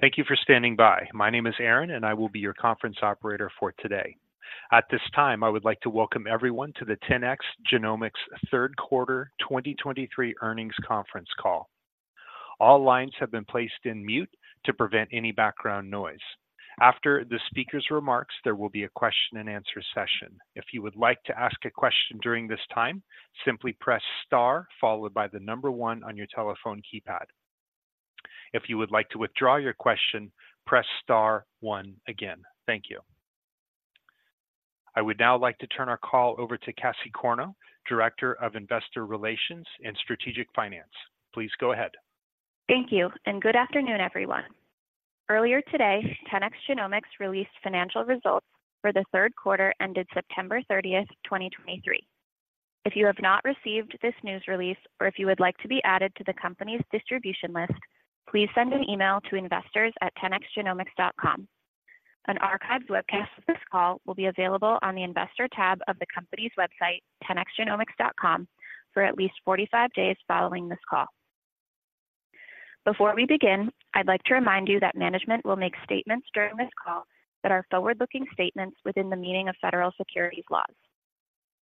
Thank you for standing by. My name is Aaron, and I will be your conference operator for today. At this time, I would like to welcome everyone to the 10x Genomics Q3 2023 earnings conference call. All lines have been placed in mute to prevent any background noise. After the speaker's remarks, there will be a question and answer session. If you would like to ask a question during this time, simply press star followed by the number 1 on your telephone keypad. If you would like to withdraw your question, press star 1 again. Thank you. I would now like to turn our call over to Cassie Corneau, Director of Investor Relations and Strategic Finance. Please go ahead. Thank you, and good afternoon, everyone. Earlier today, 10x Genomics released financial results for th ended September 30, 2023. If you have not received this news release, or if you would like to be added to the company's distribution list, please send an email to investors@10xgenomics.com. An archived webcast of this call will be available on the Investor tab of the company's website, 10xgenomics.com, for at least 45 days following this call. Before we begin, I'd like to remind you that management will make statements during this call that are forward-looking statements within the meaning of federal securities laws.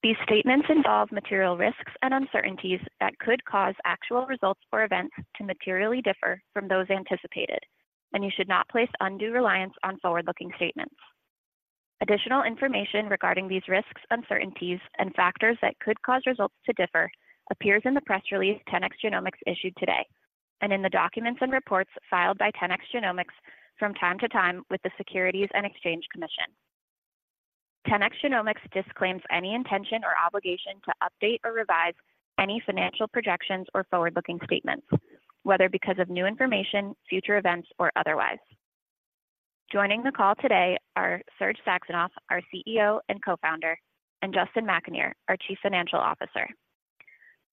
These statements involve material risks and uncertainties that could cause actual results or events to materially differ from those anticipated, and you should not place undue reliance on forward-looking statements. Additional information regarding these risks, uncertainties, and factors that could cause results to differ appears in the press release 10x Genomics issued today, and in the documents and reports filed by 10x Genomics from time to time with the Securities and Exchange Commission. 10x Genomics disclaims any intention or obligation to update or revise any financial projections or forward-looking statements, whether because of new information, future events, or otherwise. Joining the call today are Serge Saxonov, our CEO and Co-founder, and Justin McAnear, our Chief Financial Officer.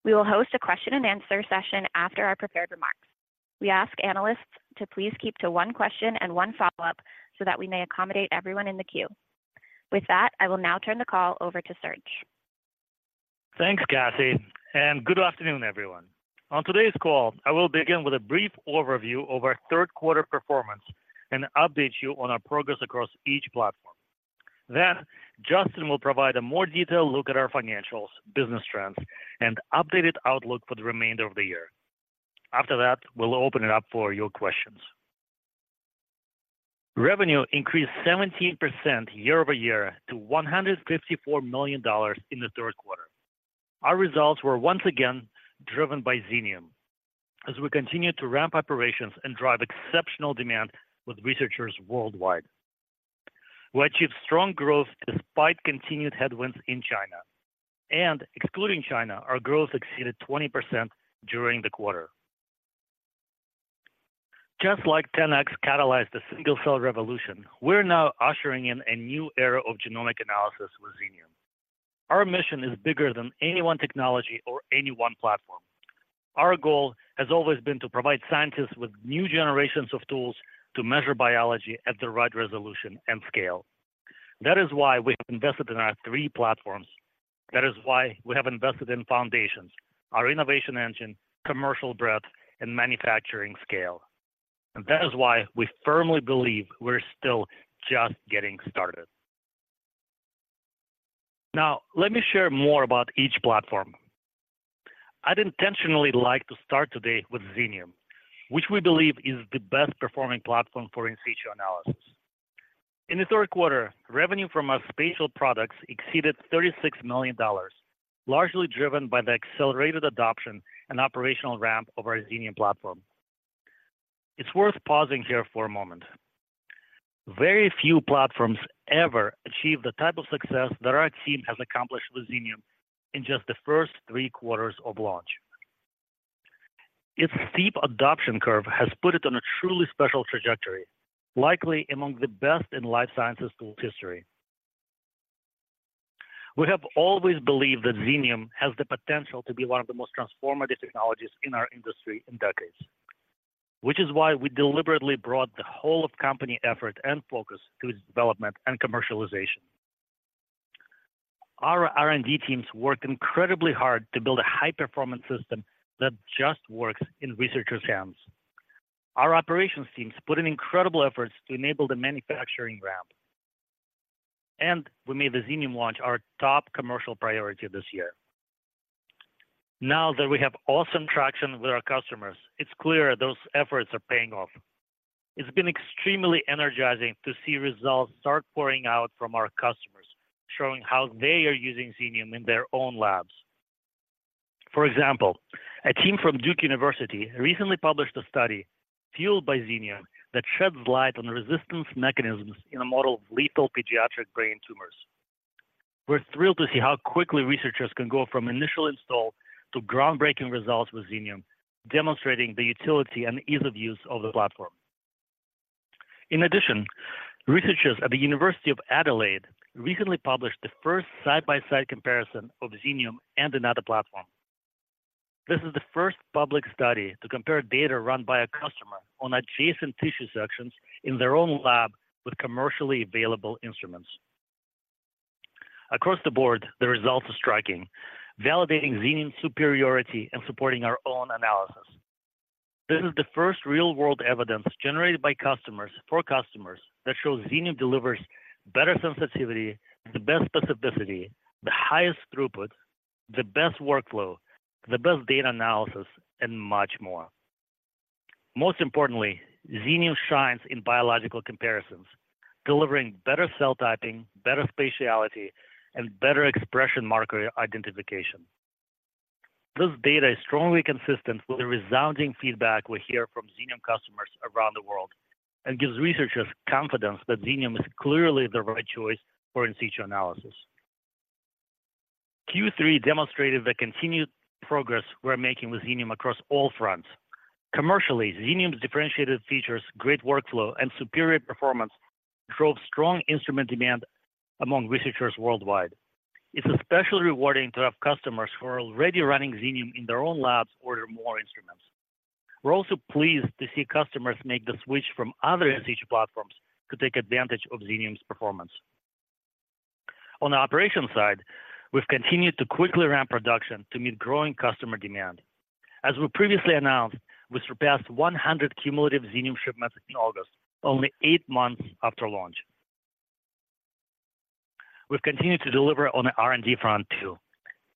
We will host a question and answer session after our prepared remarks. We ask analysts to please keep to one question and one follow-up so that we may accommodate everyone in the queue. With that, I will now turn the call over to Serge. Thanks, Cassie, and good afternoon, everyone. On today's call, I will begin with a brief overview of our Q3 performance and update you on our progress across each platform. Then, Justin will provide a more detailed look at our financials, business trends, and updated outlook for the remainder of the year. After that, we'll open it up for your questions. Revenue increased 17% year-over-year to $154 million in the Q3. Our results were once again driven by Xenium, as we continued to ramp operations and drive exceptional demand with researchers worldwide. We achieved strong growth despite continued headwinds in China, and excluding China, our growth exceeded 20% during the quarter. Just like 10x catalyzed the single-cell revolution, we're now ushering in a new era of genomic analysis with Xenium. Our mission is bigger than any one technology or any one platform. Our goal has always been to provide scientists with new generations of tools to measure biology at the right resolution and scale. That is why we have invested in our three platforms. That is why we have invested in foundations, our innovation engine, commercial breadth, and manufacturing scale. And that is why we firmly believe we're still just getting started. Now, let me share more about each platform. I'd intentionally like to start today with Xenium, which we believe is the best performing platform for in situ analysis. In the Q3, revenue from our spatial products exceeded $36 million, largely driven by the accelerated adoption and operational ramp of our Xenium platform. It's worth pausing here for a moment. Very few platforms ever achieve the type of success that our team has accomplished with Xenium in just the first three quarters of launch. Its steep adoption curve has put it on a truly special trajectory, likely among the best in life sciences tools history. We have always believed that Xenium has the potential to be one of the most transformative technologies in our industry in decades, which is why we deliberately brought the whole of company effort and focus to its development and commercialization. Our R&D teams worked incredibly hard to build a high-performance system that just works in researchers' hands. Our operations teams put in incredible efforts to enable the manufacturing ramp, and we made the Xenium launch our top commercial priority this year. Now that we have awesome traction with our customers, it's clear those efforts are paying off. It's been extremely energizing to see results start pouring out from our customers, showing how they are using Xenium in their own labs. For example, a team from Duke University recently published a study fueled by Xenium that sheds light on the resistance mechanisms in a model of lethal pediatric brain tumors. We're thrilled to see how quickly researchers can go from initial install to groundbreaking results with Xenium, demonstrating the utility and ease of use of the platform. In addition, researchers at the University of Adelaide recently published the first side-by-side comparison of Xenium and another platform. This is the first public study to compare data run by a customer on adjacent tissue sections in their own lab with commercially available instruments... Across the board, the results are striking, validating Xenium's superiority and supporting our own analysis. This is the first real-world evidence generated by customers for customers, that shows Xenium delivers better sensitivity, the best specificity, the highest throughput, the best workflow, the best data analysis, and much more. Most importantly, Xenium shines in biological comparisons, delivering better cell typing, better spatiality, and better expression marker identification. This data is strongly consistent with the resounding feedback we hear from Xenium customers around the world, and gives researchers confidence that Xenium is clearly the right choice for in situ analysis. Q3 demonstrated the continued progress we're making with Xenium across all fronts. Commercially, Xenium's differentiated features, great workflow, and superior performance drove strong instrument demand among researchers worldwide. It's especially rewarding to have customers who are already running Xenium in their own labs order more instruments. We're also pleased to see customers make the switch from other in situ platforms to take advantage of Xenium's performance. On the operations side, we've continued to quickly ramp production to meet growing customer demand. As we previously announced, we surpassed 100 cumulative Xenium shipments in August, only 8 months after launch. We've continued to deliver on the R&D front, too.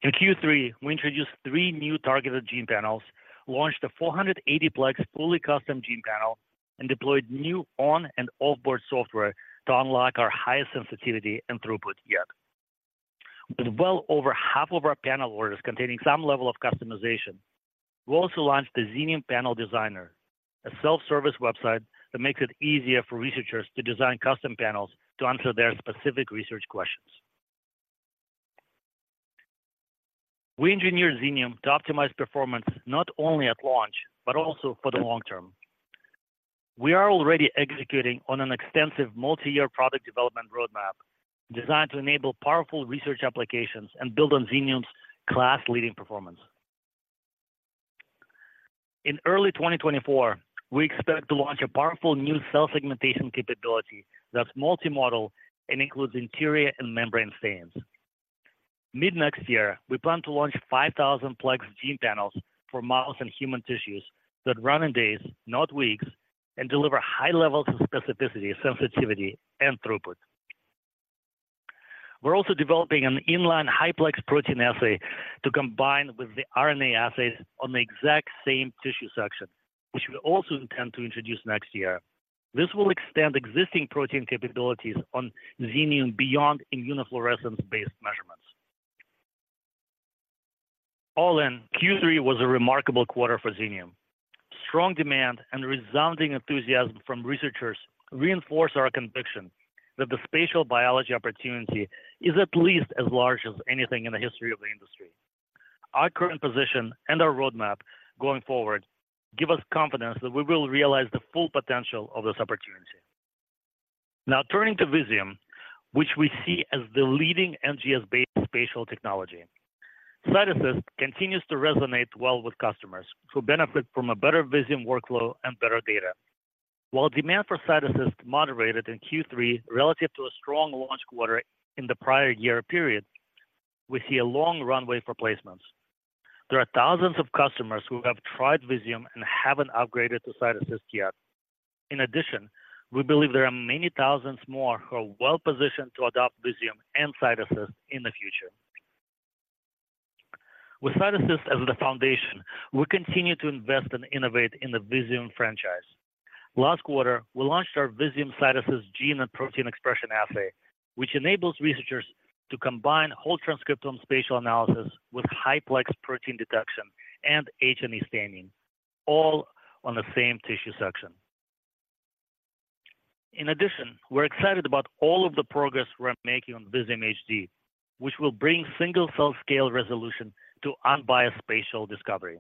In Q3, we introduced 3 new targeted gene panels, launched a 480-plex fully custom gene panel, and deployed new on- and off-board software to unlock our highest sensitivity and throughput yet. With well over half of our panel orders containing some level of customization, we also launched the Xenium Panel Designer, a self-service website that makes it easier for researchers to design custom panels to answer their specific research questions. We engineered Xenium to optimize performance not only at launch, but also for the long term. We are already executing on an extensive multi-year product development roadmap, designed to enable powerful research applications and build on Xenium's class-leading performance. In early 2024, we expect to launch a powerful new cell segmentation capability that's multimodal and includes interior and membrane stains. Mid-next year, we plan to launch 5,000-plex gene panels for mouse and human tissues that run in days, not weeks, and deliver high levels of specificity, sensitivity, and throughput. We're also developing an in-line high-plex protein assay to combine with the RNA assays on the exact same tissue section, which we also intend to introduce next year. This will extend existing protein capabilities on Xenium beyond immunofluorescence-based measurements. All in, Q3 was a remarkable quarter for Xenium. Strong demand and resounding enthusiasm from researchers reinforce our conviction that the spatial biology opportunity is at least as large as anything in the history of the industry. Our current position and our roadmap going forward, give us confidence that we will realize the full potential of this opportunity. Now, turning to Visium, which we see as the leading NGS-based spatial technology. CytAssist continues to resonate well with customers, who benefit from a better Visium workflow and better data. While demand for CytAssist moderated in Q3 relative to a strong launch quarter in the prior year period, we see a long runway for placements. There are thousands of customers who have tried Visium and haven't upgraded to CytAssist yet. In addition, we believe there are many thousands more who are well-positioned to adopt Visium and CytAssist in the future. With CytAssist as the foundation, we continue to invest and innovate in the Visium franchise. Last quarter, we launched our Visium CytAssist gene and protein expression assay, which enables researchers to combine whole transcriptome spatial analysis with high-plex protein detection and H&E staining, all on the same tissue section. In addition, we're excited about all of the progress we're making on Visium HD, which will bring single-cell scale resolution to unbiased spatial discovery.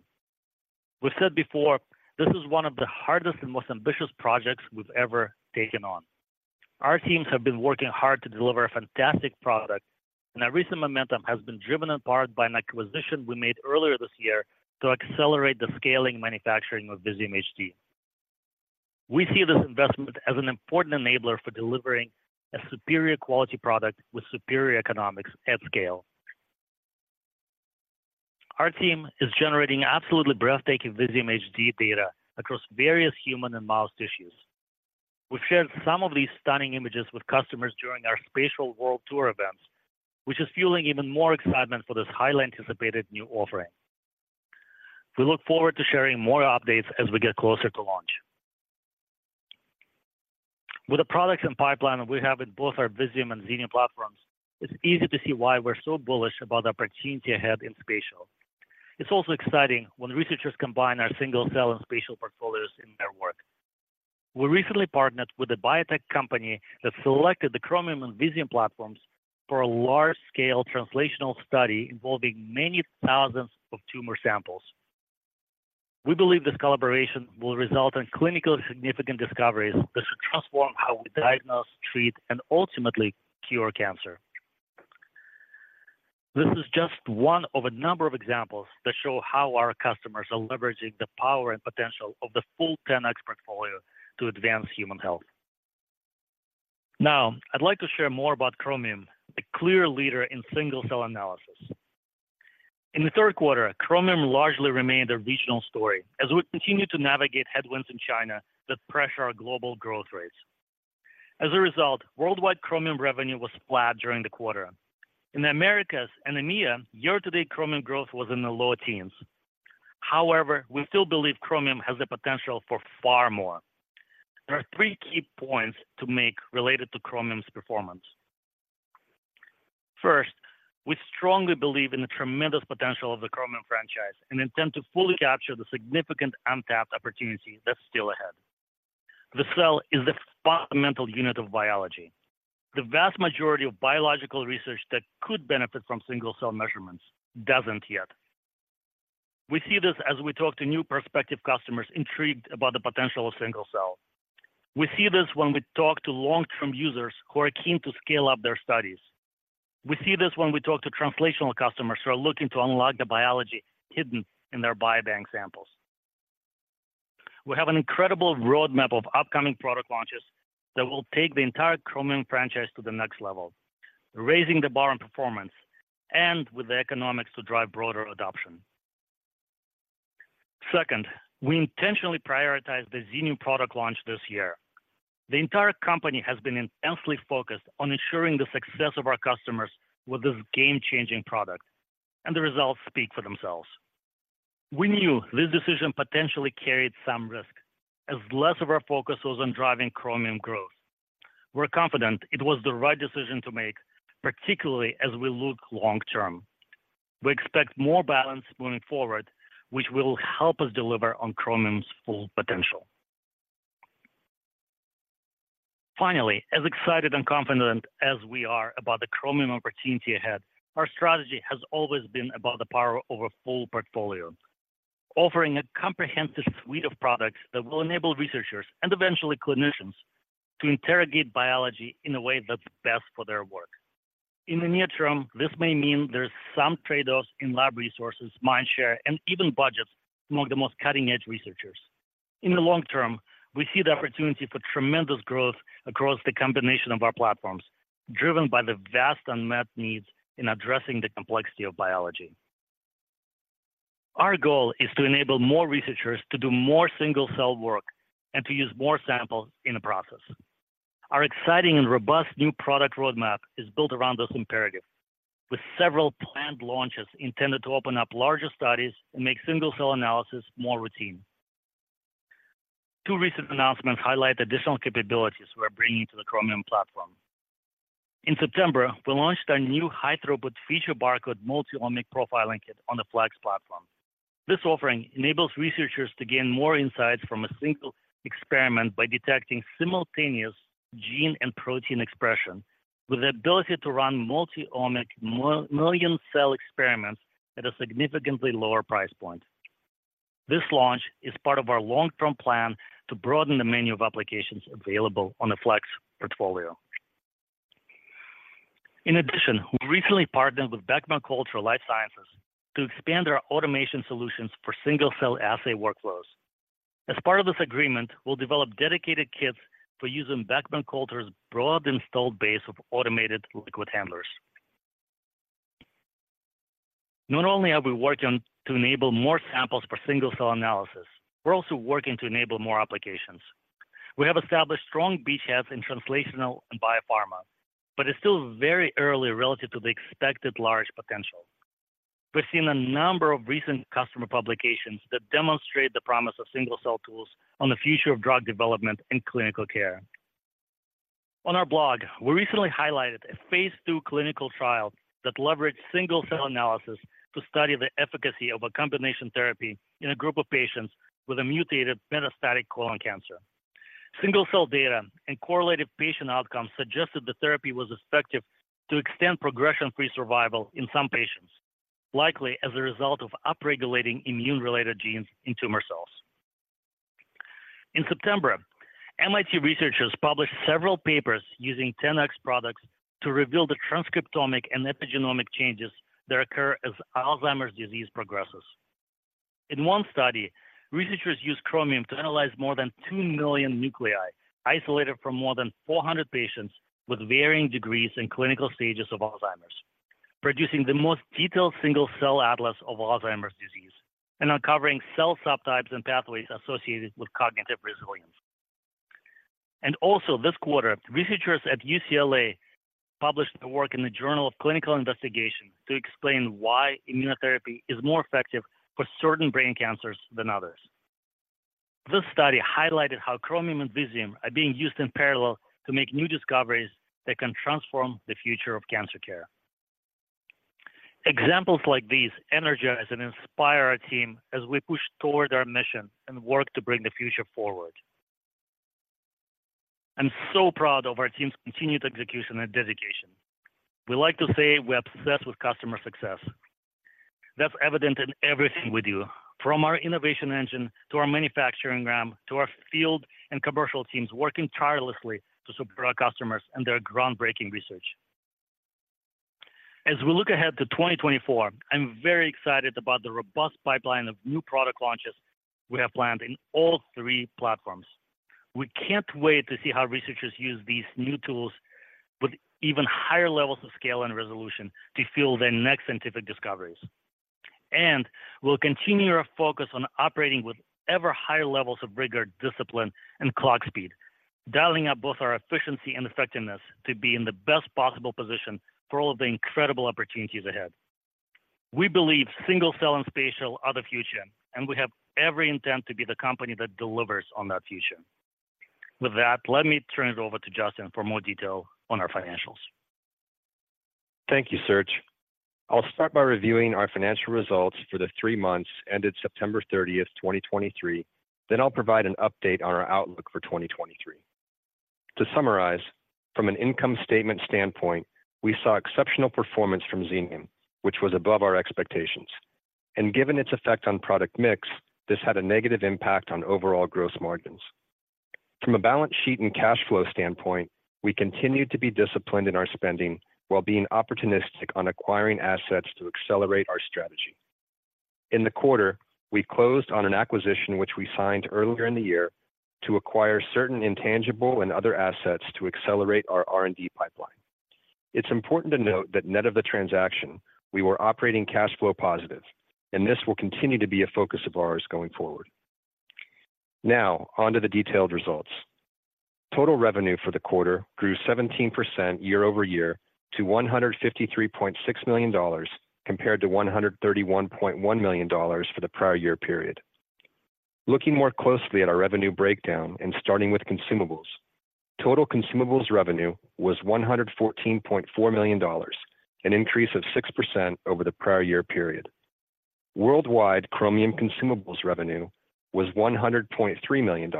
We've said before, this is one of the hardest and most ambitious projects we've ever taken on. Our teams have been working hard to deliver a fantastic product, and our recent momentum has been driven in part by an acquisition we made earlier this year to accelerate the scaling manufacturing of Visium HD. We see this investment as an important enabler for delivering a superior quality product with superior economics at scale. Our team is generating absolutely breathtaking Visium HD data across various human and mouse tissues. We've shared some of these stunning images with customers during our Spatial World Tour events, which is fueling even more excitement for this highly anticipated new offering. We look forward to sharing more updates as we get closer to launch. With the products and pipeline we have in both our Visium and Xenium platforms, it's easy to see why we're so bullish about the opportunity ahead in spatial. It's also exciting when researchers combine our single-cell and spatial portfolios in their work. We recently partnered with a biotech company that selected the Chromium and Visium platforms for a large-scale translational study involving many thousands of tumor samples. We believe this collaboration will result in clinically significant discoveries that should transform how we diagnose, treat, and ultimately cure cancer... This is just one of a number of examples that show how our customers are leveraging the power and potential of the full 10x portfolio to advance human health. Now, I'd like to share more about Chromium, a clear leader in single-cell analysis. In the Q3, Chromium largely remained a regional story as we continued to navigate headwinds in China that pressure our global growth rates. As a result, worldwide Chromium revenue was flat during the quarter. In the Americas and EMEA, year-to-date Chromium growth was in the low teens. However, we still believe Chromium has the potential for far more. There are three key points to make related to Chromium's performance. First, we strongly believe in the tremendous potential of the Chromium franchise and intend to fully capture the significant untapped opportunity that's still ahead. The cell is the fundamental unit of biology. The vast majority of biological research that could benefit from single-cell measurements doesn't yet. We see this as we talk to new prospective customers intrigued about the potential of single cell. We see this when we talk to long-term users who are keen to scale up their studies. We see this when we talk to translational customers who are looking to unlock the biology hidden in their biobank samples. We have an incredible roadmap of upcoming product launches that will take the entire Chromium franchise to the next level, raising the bar on performance and with the economics to drive broader adoption. Second, we intentionally prioritized the Xenium product launch this year. The entire company has been intensely focused on ensuring the success of our customers with this game-changing product, and the results speak for themselves. We knew this decision potentially carried some risk, as less of our focus was on driving Chromium growth. We're confident it was the right decision to make, particularly as we look long term. We expect more balance moving forward, which will help us deliver on Chromium's full potential. Finally, as excited and confident as we are about the Chromium opportunity ahead, our strategy has always been about the power of a full portfolio, offering a comprehensive suite of products that will enable researchers, and eventually clinicians, to interrogate biology in a way that's best for their work. In the near term, this may mean there's some trade-offs in lab resources, mindshare, and even budgets among the most cutting-edge researchers. In the long term, we see the opportunity for tremendous growth across the combination of our platforms, driven by the vast unmet needs in addressing the complexity of biology. Our goal is to enable more researchers to do more single-cell work and to use more samples in the process. Our exciting and robust new product roadmap is built around this imperative, with several planned launches intended to open up larger studies and make single-cell analysis more routine. Two recent announcements highlight the additional capabilities we're bringing to the Chromium platform. In September, we launched our new high-throughput Feature Barcode multi-omic profiling kit on the Flex platform. This offering enables researchers to gain more insights from a single experiment by detecting simultaneous gene and protein expression, with the ability to run multi-omic million cell experiments at a significantly lower price point. This launch is part of our long-term plan to broaden the menu of applications available on the Flex portfolio. In addition, we recently partnered with Beckman Coulter Life Sciences to expand our automation solutions for single-cell assay workflows. As part of this agreement, we'll develop dedicated kits for use in Beckman Coulter's broad installed base of automated liquid handlers. Not only are we working to enable more samples for single-cell analysis, we're also working to enable more applications. We have established strong beachheads in translational and biopharma, but it's still very early relative to the expected large potential. We've seen a number of recent customer publications that demonstrate the promise of single-cell tools on the future of drug development and clinical care. On our blog, we recently highlighted a Phase II clinical trial that leveraged single-cell analysis to study the efficacy of a combination therapy in a group of patients with a mutated metastatic colon cancer. Single-cell data and correlated patient outcomes suggested the therapy was effective to extend progression-free survival in some patients, likely as a result of upregulating immune-related genes in tumor cells. In September, MIT researchers published several papers using 10x products to reveal the transcriptomic and epigenomic changes that occur as Alzheimer's disease progresses. In one study, researchers used Chromium to analyze more than 2 million nuclei, isolated from more than 400 patients with varying degrees and clinical stages of Alzheimer's, producing the most detailed single cell atlas of Alzheimer's disease and uncovering cell subtypes and pathways associated with cognitive resilience. And also this quarter, researchers at UCLA published their work in the Journal of Clinical Investigation to explain why immunotherapy is more effective for certain brain cancers than others. This study highlighted how Chromium and Visium are being used in parallel to make new discoveries that can transform the future of cancer care. Examples like these energize and inspire our team as we push toward our mission and work to bring the future forward. I'm so proud of our team's continued execution and dedication. We like to say we're obsessed with customer success.... That's evident in everything we do, from our innovation engine, to our manufacturing ramp, to our field and commercial teams working tirelessly to support our customers and their groundbreaking research. As we look ahead to 2024, I'm very excited about the robust pipeline of new product launches we have planned in all three platforms. We can't wait to see how researchers use these new tools with even higher levels of scale and resolution to fuel their next scientific discoveries. And we'll continue our focus on operating with ever higher levels of rigor, discipline, and clock speed, dialing up both our efficiency and effectiveness to be in the best possible position for all of the incredible opportunities ahead. We believe single-cell and spatial are the future, and we have every intent to be the company that delivers on that future. With that, let me turn it over to Justin for more detail on our financials. Thank you, Serge. I'll start by reviewing our financial results for the three months ended September 30, 2023, then I'll provide an update on our outlook for 2023. To summarize, from an income statement standpoint, we saw exceptional performance from Xenium, which was above our expectations. Given its effect on product mix, this had a negative impact on overall gross margins. From a balance sheet and cash flow standpoint, we continued to be disciplined in our spending while being opportunistic on acquiring assets to accelerate our strategy. In the quarter, we closed on an acquisition which we signed earlier in the year to acquire certain intangible and other assets to accelerate our R&D pipeline. It's important to note that net of the transaction, we were operating cash flow positive, and this will continue to be a focus of ours going forward. Now, onto the detailed results. Total revenue for the quarter grew 17% year-over-year to $153.6 million compared to $131.1 million for the prior year period. Looking more closely at our revenue breakdown and starting with consumables, total consumables revenue was $114.4 million, an increase of 6% over the prior year period. Worldwide, Chromium consumables revenue was $100.3 million,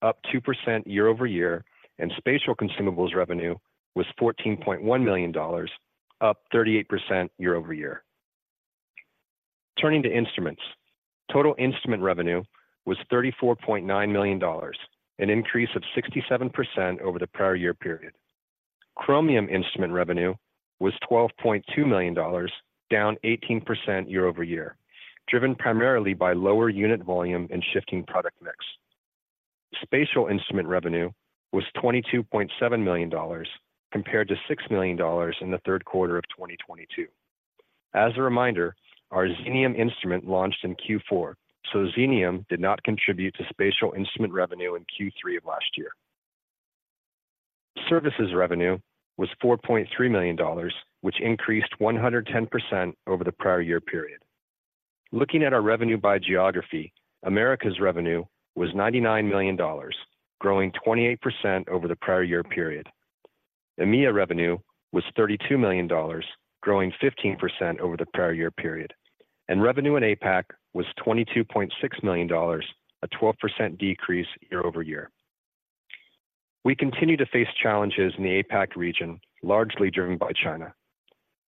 up 2% year-over-year, and spatial consumables revenue was $14.1 million, up 38% year-over-year. Turning to instruments, total instrument revenue was $34.9 million, an increase of 67% over the prior year period. Chromium instrument revenue was $12.2 million, down 18% year-over-year, driven primarily by lower unit volume and shifting product mix. Spatial instrument revenue was $22.7 million, compared to $6 million in the Q3 of 2022. As a reminder, our Xenium instrument launched in Q4, so Xenium did not contribute to spatial instrument revenue in Q3 of last year. Services revenue was $4.3 million, which increased 110% over the prior year period. Looking at our revenue by geography, Americas revenue was $99 million, growing 28% over the prior year period. EMEA revenue was $32 million, growing 15% over the prior year period, and revenue in APAC was $22.6 million, a 12% decrease year-over-year. We continue to face challenges in the APAC region, largely driven by China.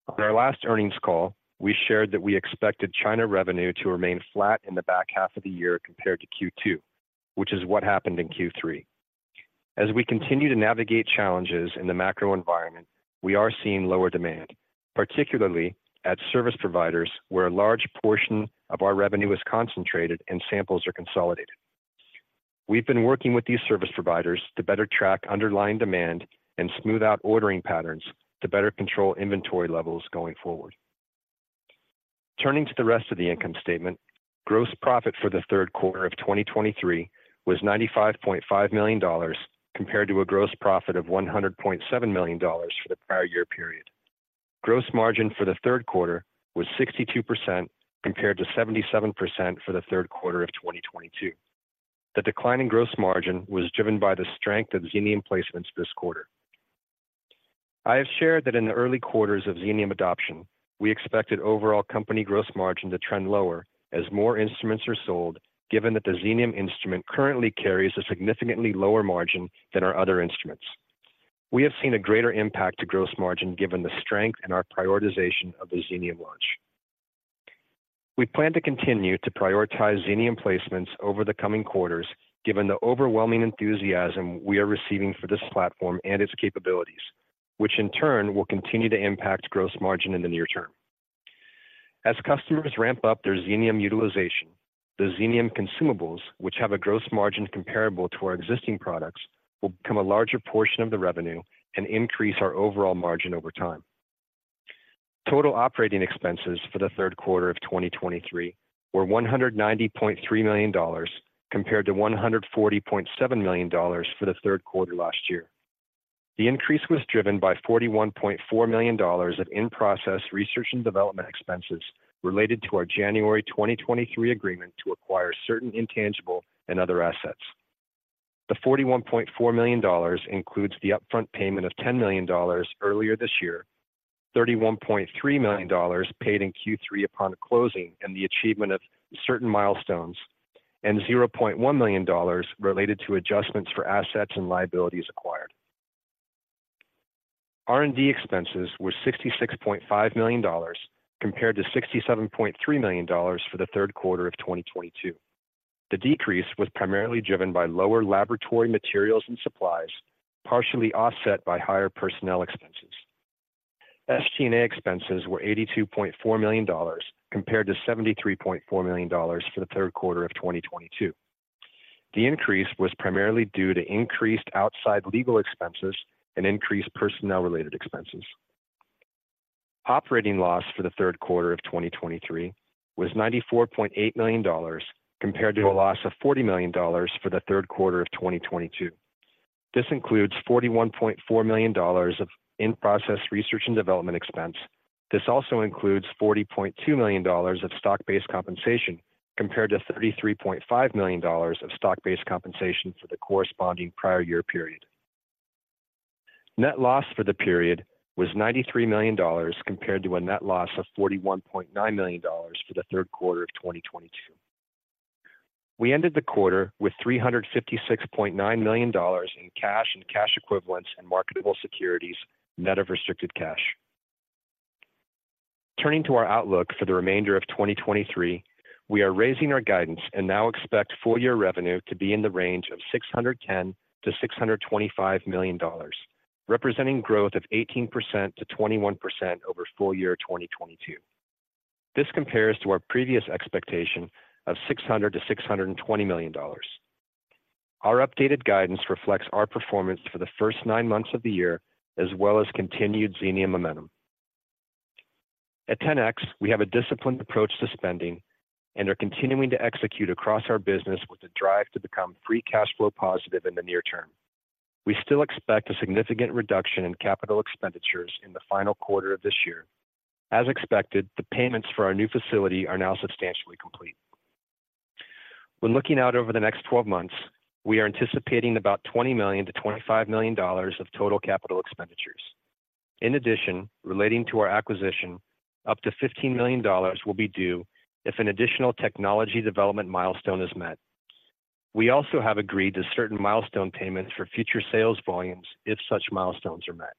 On our last earnings call, we shared that we expected China revenue to remain flat in the back half of the year compared to Q2, which is what happened in Q3. As we continue to navigate challenges in the macro environment, we are seeing lower demand, particularly at service providers, where a large portion of our revenue is concentrated and samples are consolidated. We've been working with these service providers to better track underlying demand and smooth out ordering patterns to better control inventory levels going forward. Turning to the rest of the income statement, gross profit for the Q3 of 2023 was $95.5 million, compared to a gross profit of $100.7 million for the prior year period. Gross margin for the Q3 was 62%, compared to 77% for the Q3 of 2022. The decline in gross margin was driven by the strength of Xenium placements this quarter. I have shared that in the early quarters of Xenium adoption, we expected overall company gross margin to trend lower as more instruments are sold, given that the Xenium instrument currently carries a significantly lower margin than our other instruments. We have seen a greater impact to gross margin given the strength and our prioritization of the Xenium launch. We plan to continue to prioritize Xenium placements over the coming quarters, given the overwhelming enthusiasm we are receiving for this platform and its capabilities, which in turn will continue to impact gross margin in the near term. As customers ramp up their Xenium utilization, the Xenium consumables, which have a gross margin comparable to our existing products, will become a larger portion of the revenue and increase our overall margin over time. Total operating expenses for the Q3 of 2023 were $190.3 million, compared to $140.7 million for the Q3 last year. The increase was driven by $41.4 million of in-process research and development expenses related to our January 2023 agreement to acquire certain intangible and other assets. The $41.4 million includes the upfront payment of $10 million earlier this year, $31.3 million paid in Q3 upon closing and the achievement of certain milestones, and $0.1 million related to adjustments for assets and liabilities acquired. R&D expenses were $66.5 million, compared to $67.3 million for the Q3 of 2022. The decrease was primarily driven by lower laboratory materials and supplies, partially offset by higher personnel expenses. SG&A expenses were $82.4 million, compared to $73.4 million for the Q3 of 2022. The increase was primarily due to increased outside legal expenses and increased personnel-related expenses. Operating loss for the Q3 of 2023 was $94.8 million, compared to a loss of $40 million for the Q3 of 2022. This includes $41.4 million of in-process research and development expense. This also includes $40.2 million of stock-based compensation, compared to $33.5 million of stock-based compensation for the corresponding prior year period. Net loss for the period was $93 million, compared to a net loss of $41.9 million for the Q3 of 2022. We ended the quarter with $356.9 million in cash and cash equivalents and marketable securities, net of restricted cash. Turning to our outlook for the remainder of 2023, we are raising our guidance and now expect full year revenue to be in the range of $610 million-$625 million, representing growth of 18%-21% over full year 2022. This compares to our previous expectation of $600 million-$620 million. Our updated guidance reflects our performance for the first nine months of the year, as well as continued Xenium momentum. At 10x, we have a disciplined approach to spending and are continuing to execute across our business with a drive to become free cash flow positive in the near term. We still expect a significant reduction in capital expenditures in the final quarter of this year. As expected, the payments for our new facility are now substantially complete. When looking out over the next 12 months, we are anticipating about $20 million-$25 million of total capital expenditures. In addition, relating to our acquisition, up to $15 million will be due if an additional technology development milestone is met. We also have agreed to certain milestone payments for future sales volumes if such milestones are met.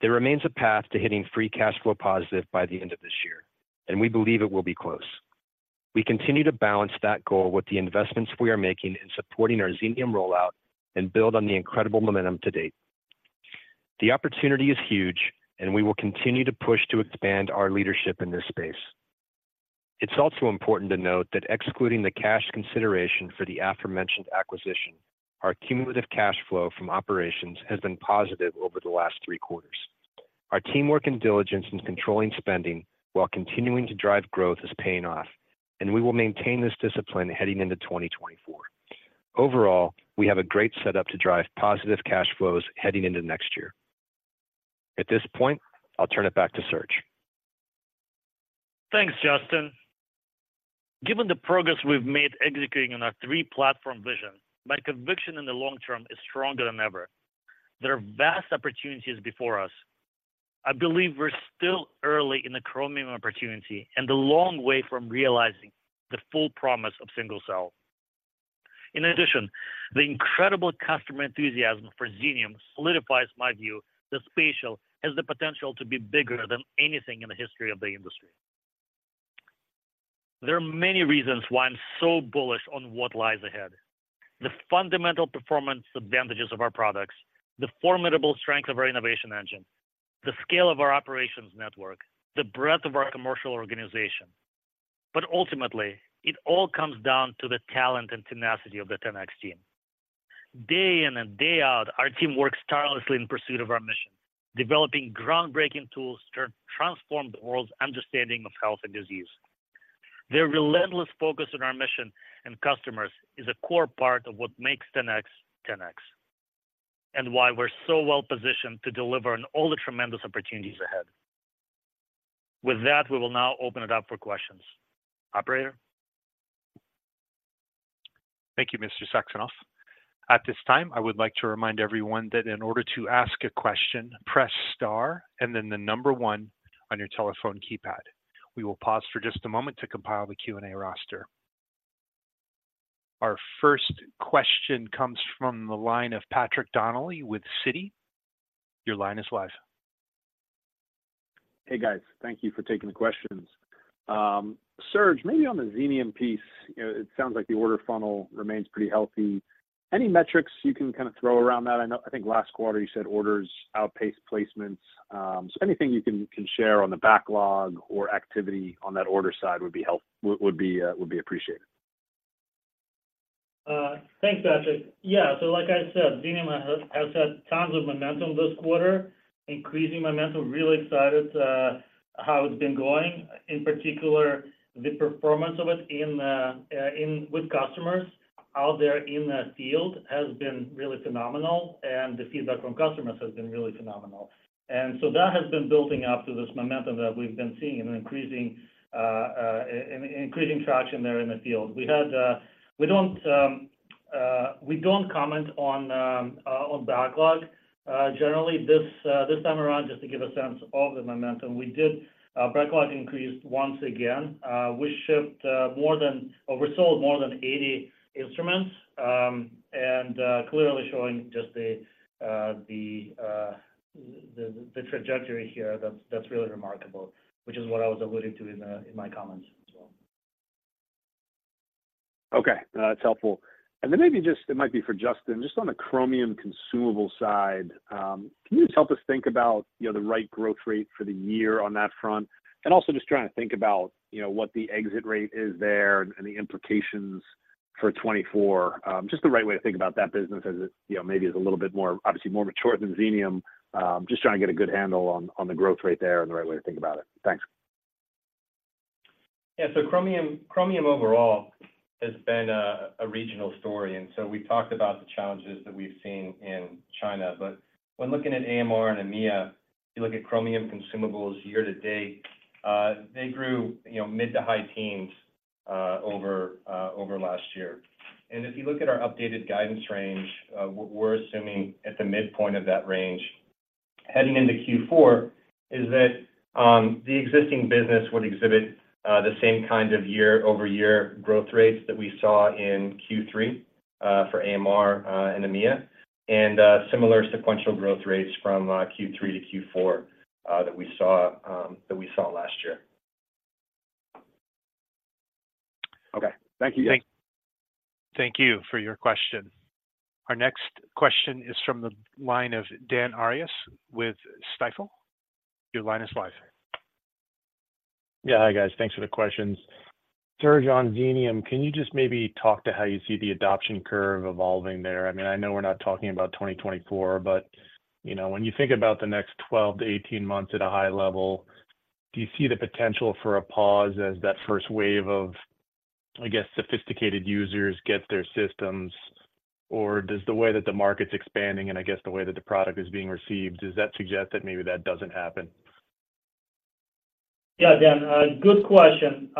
There remains a path to hitting free cash flow positive by the end of this year, and we believe it will be close. We continue to balance that goal with the investments we are making in supporting our Xenium rollout and build on the incredible momentum to date. The opportunity is huge, and we will continue to push to expand our leadership in this space. It's also important to note that excluding the cash consideration for the aforementioned acquisition, our cumulative cash flow from operations has been positive over the last three quarters. Our teamwork and diligence in controlling spending while continuing to drive growth is paying off, and we will maintain this discipline heading into 2024. Overall, we have a great setup to drive positive cash flows heading into next year. At this point, I'll turn it back to Serge. Thanks, Justin. Given the progress we've made executing on our three-platform vision, my conviction in the long term is stronger than ever. There are vast opportunities before us. I believe we're still early in the Chromium opportunity and a long way from realizing the full promise of single cell. In addition, the incredible customer enthusiasm for Xenium solidifies my view that spatial has the potential to be bigger than anything in the history of the industry. There are many reasons why I'm so bullish on what lies ahead. The fundamental performance advantages of our products, the formidable strength of our innovation engine, the scale of our operations network, the breadth of our commercial organization. But ultimately, it all comes down to the talent and tenacity of the 10x team. Day in and day out, our team works tirelessly in pursuit of our mission, developing groundbreaking tools to transform the world's understanding of health and disease. Their relentless focus on our mission and customers is a core part of what makes 10x, 10x, and why we're so well-positioned to deliver on all the tremendous opportunities ahead. With that, we will now open it up for questions. Operator? Thank you, Mr. Saxonov. At this time, I would like to remind everyone that in order to ask a question, press star and then the number one on your telephone keypad. We will pause for just a moment to compile the Q&A roster. Our first question comes from the line of Patrick Donnelly with Citi. Your line is live. Hey, guys. Thank you for taking the questions. Serge, maybe on the Xenium piece, you know, it sounds like the order funnel remains pretty healthy. Any metrics you can kind of throw around that? I know—I think last quarter you said orders outpaced placements. So anything you can share on the backlog or activity on that order side would be appreciated. Thanks, Patrick. Yeah, so like I said, Xenium has had tons of momentum this quarter. Increasing momentum, really excited how it's been going. In particular, the performance of it in the with customers out there in the field has been really phenomenal, and the feedback from customers has been really phenomenal. And so that has been building up to this momentum that we've been seeing and increasing and increasing traction there in the field. We had, we don't comment on backlog. Generally, this time around, just to give a sense of the momentum, we did, backlog increased once again. We shipped more than or we sold more than 80 instruments.... and clearly showing just the trajectory here, that's really remarkable, which is what I was alluding to in my comments as well. Okay, that's helpful. And then maybe just, it might be for Justin, just on the Chromium consumable side, can you just help us think about, you know, the right growth rate for the year on that front? And also just trying to think about, you know, what the exit rate is there and the implications for 2024. Just the right way to think about that business as it, you know, maybe is a little bit more, obviously more mature than Xenium. Just trying to get a good handle on the growth rate there and the right way to think about it. Thanks. Yeah. So Chromium, Chromium overall has been a regional story, and so we talked about the challenges that we've seen in China. But when looking at AMR and EMEA, you look at Chromium consumables year to date, they grew, you know, mid to high teens, over last year. And if you look at our updated guidance range, what we're assuming at the midpoint of that range, heading into Q4, is that the existing business would exhibit the same kind of year-over-year growth rates that we saw in Q3 for AMR and EMEA, and similar sequential growth rates from Q3 to Q4 that we saw last year. Okay. Thank you. Thank, thank you for your question. Our next question is from the line of Dan Arias with Stifel. Your line is live. Yeah. Hi, guys. Thanks for the questions. Serge, on Xenium, can you just maybe talk to how you see the adoption curve evolving there? I mean, I know we're not talking about 2024, but, you know, when you think about the next 12-18 months at a high level, do you see the potential for a pause as that first wave of, I guess, sophisticated users get their systems? Or does the way that the market's expanding, and I guess the way that the product is being received, does that suggest that maybe that doesn't happen? Yeah, Dan, good question.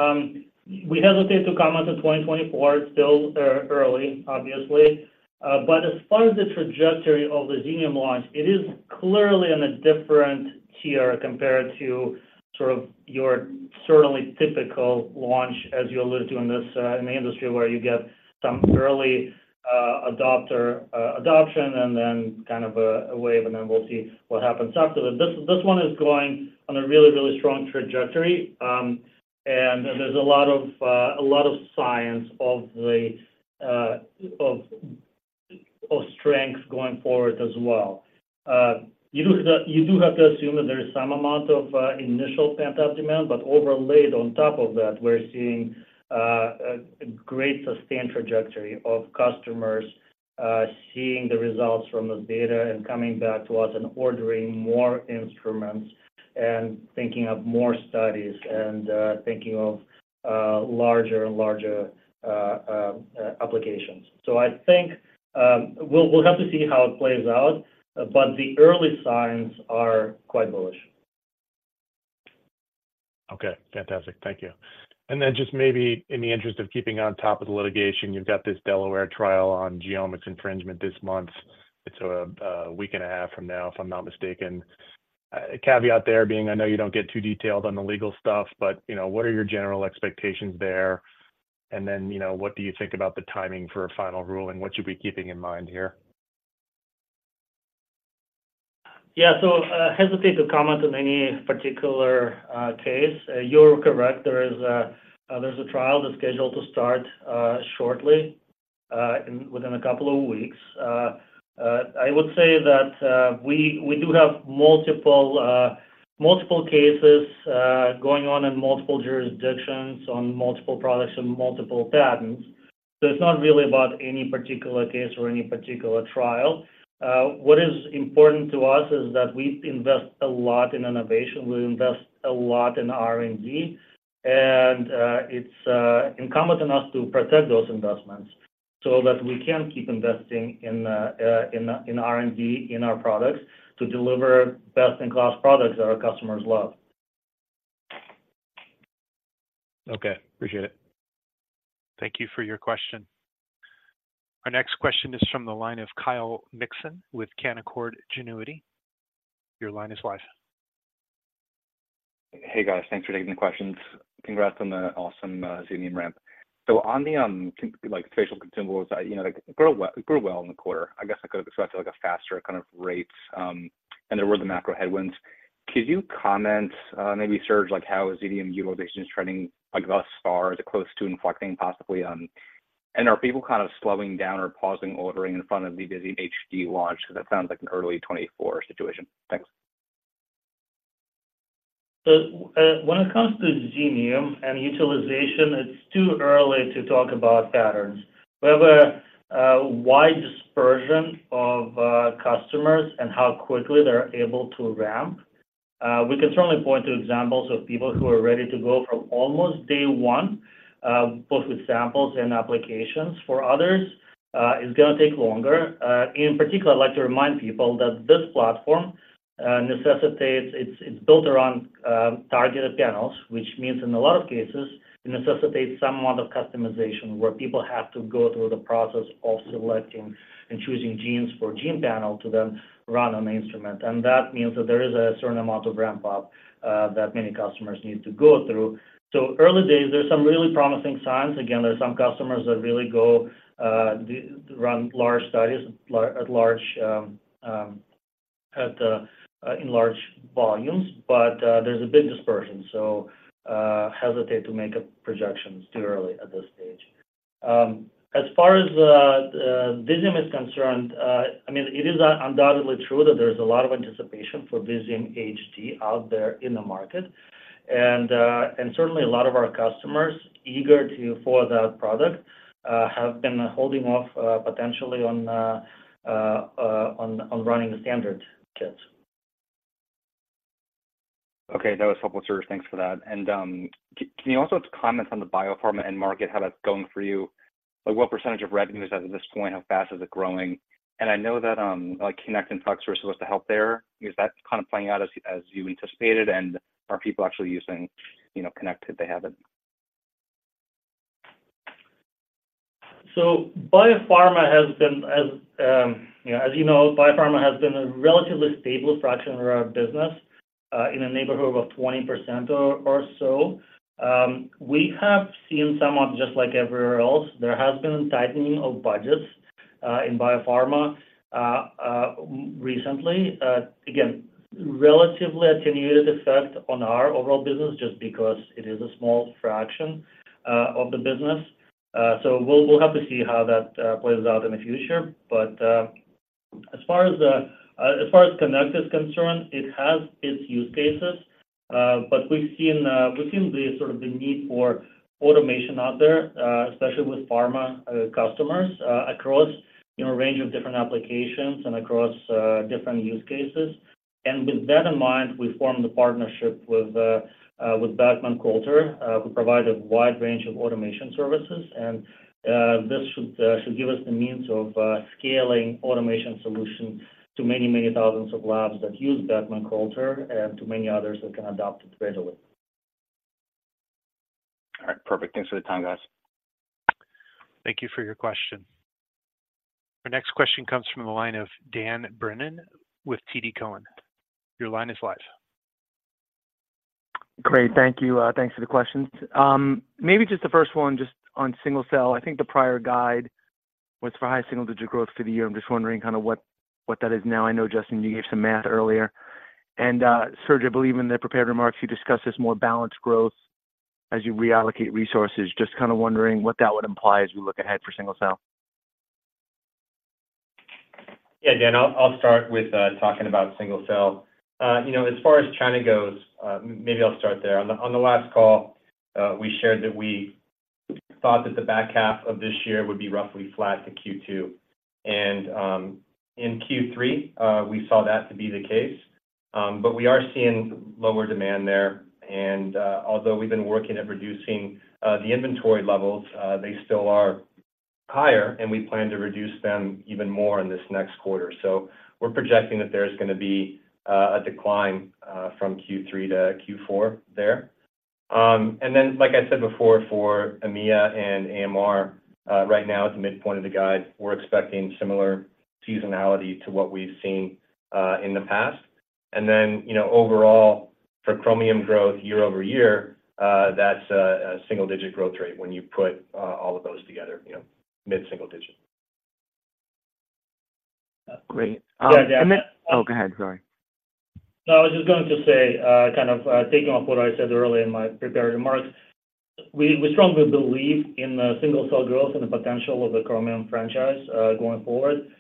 We hesitate to comment on 2024. It's still early, obviously. But as far as the trajectory of the Xenium launch, it is clearly on a different tier compared to sort of your certainly typical launch, as you alluded to in this, in the industry, where you get some early adopter adoption and then kind of a wave, and then we'll see what happens after that. This one is going on a really, really strong trajectory. And there's a lot of a lot of science of the of strength going forward as well. You do have to assume that there is some amount of initial pent-up demand, but overlaid on top of that, we're seeing a great sustained trajectory of customers seeing the results from those data and coming back to us and ordering more instruments and thinking of more studies and thinking of larger and larger applications. So I think we'll have to see how it plays out, but the early signs are quite bullish. Okay, fantastic. Thank you. And then just maybe in the interest of keeping on top of the litigation, you've got this Delaware trial on 10x Genomics infringement this month. It's a week and a half from now, if I'm not mistaken. Caveat there being, I know you don't get too detailed on the legal stuff, but, you know, what are your general expectations there? And then, you know, what do you think about the timing for a final ruling? What should we be keeping in mind here? Yeah. So, I hesitate to comment on any particular case. You're correct, there is a, there's a trial that's scheduled to start shortly, in within a couple of weeks. I would say that we do have multiple cases going on in multiple jurisdictions on multiple products and multiple patents. So it's not really about any particular case or any particular trial. What is important to us is that we invest a lot in innovation. We invest a lot in R&D, and it's incumbent on us to protect those investments so that we can keep investing in R&D, in our products to deliver best-in-class products that our customers love. Okay. Appreciate it. Thank you for your question. Our next question is from the line of Kyle Mikson with Canaccord Genuity. Your line is live. Hey, guys. Thanks for taking the questions. Congrats on the awesome Xenium ramp. So on the consumables, like spatial consumables, you know, like grew well, it grew well in the quarter. I guess I could expect, like, a faster kind of rates, and there were the macro headwinds. Could you comment, maybe Serge, like how Xenium utilization is trending, like thus far? Is it close to inflecting, possibly... And are people kind of slowing down or pausing, ordering in front of the Xenium HD launch? Because that sounds like an early 2024 situation. Thanks. So, when it comes to Xenium and utilization, it's too early to talk about patterns. We have a wide dispersion of customers and how quickly they're able to ramp. We can certainly point to examples of people who are ready to go from almost day one, both with samples and applications. For others, it's gonna take longer. In particular, I'd like to remind people that this platform necessitates. It's built around targeted panels, which means in a lot of cases, it necessitates some amount of customization, where people have to go through the process of selecting and choosing genes for gene panel to then run on the instrument. And that means that there is a certain amount of ramp-up that many customers need to go through. So early days, there's some really promising signs. Again, there are some customers that really go run large studies at large in large volumes, but there's a big dispersion, so hesitate to make up projections too early at this stage. As far as the Visium is concerned, I mean, it is undoubtedly true that there's a lot of anticipation for Visium HD out there in the market. And certainly a lot of our customers eager for that product have been holding off potentially on running the standard kits. Okay, that was helpful, Serge. Thanks for that. Can you also comment on the biopharma end market, how that's going for you? Like, what percentage of revenue is that at this point? How fast is it growing? And I know that, like, Connect and Flex were supposed to help there. Is that kind of playing out as you anticipated? And are people actually using, you know, Connect if they haven't? So, as you know, biopharma has been a relatively stable fraction of our business, in the neighborhood of about 20% or so. We have seen somewhat just like everywhere else, there has been tightening of budgets in biopharma recently. Again, relatively attenuated effect on our overall business just because it is a small fraction of the business. So we'll have to see how that plays out in the future. But as far as Connect is concerned, it has its use cases. But we've seen the sort of need for automation out there, especially with pharma customers across, you know, a range of different applications and across different use cases. And with that in mind, we formed a partnership with Beckman Coulter, who provide a wide range of automation services. And, this should give us the means of scaling automation solution to many, many thousands of labs that use Beckman Coulter and to many others that can adopt it readily. All right. Perfect. Thanks for the time, guys. Thank you for your question. Our next question comes from the line of Dan Brennan with TD Cowen. Your line is live. Great. Thank you. Thanks for the questions. Maybe just the first one, just on single cell. I think the prior guide was for high single-digit growth for the year. I'm just wondering kind of what that is now. I know, Justin, you gave some math earlier. And, Serge, I believe in the prepared remarks, you discussed this more balanced growth as you reallocate resources. Just kind of wondering what that would imply as we look ahead for single cell. Yeah, Dan, I'll start with talking about single cell. You know, as far as China goes, maybe I'll start there. On the last call, we shared that we thought that the back half of this year would be roughly flat to Q2. And in Q3, we saw that to be the case, but we are seeing lower demand there. And although we've been working at reducing the inventory levels, they still are higher, and we plan to reduce them even more in this next quarter. So we're projecting that there's gonna be a decline from Q3 to Q4 there. And then, like I said before, for EMEA and AMR, right now, at the midpoint of the guide, we're expecting similar seasonality to what we've seen in the past. Then, you know, overall, for Chromium growth year-over-year, that's a single-digit growth rate when you put all of those together, you know, mid-single-digit. Great. Yeah, Dan- And then... Oh, go ahead. Sorry. No, I was just going to say, kind of, taking off what I said earlier in my prepared remarks, we, we strongly believe in the single-cell growth and the potential of the Chromium franchise, going forward.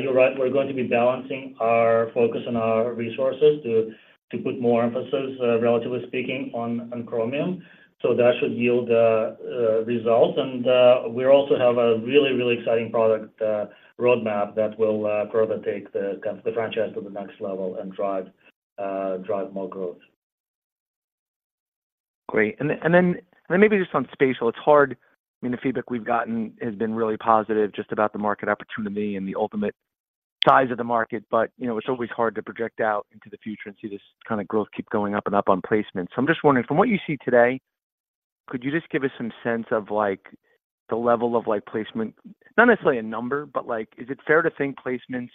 You're right, we're going to be balancing our focus on our resources to put more emphasis, relatively speaking, on Chromium. So that should yield results. And, we also have a really, really exciting product roadmap that will further take the franchise to the next level and drive more growth. Great. And then maybe just on spatial, it's hard... I mean, the feedback we've gotten has been really positive just about the market opportunity and the ultimate size of the market, but, you know, it's always hard to project out into the future and see this kind of growth keep going up and up on placements. So I'm just wondering, from what you see today, could you just give us some sense of, like, the level of, like, placement? Not necessarily a number, but, like, is it fair to think placements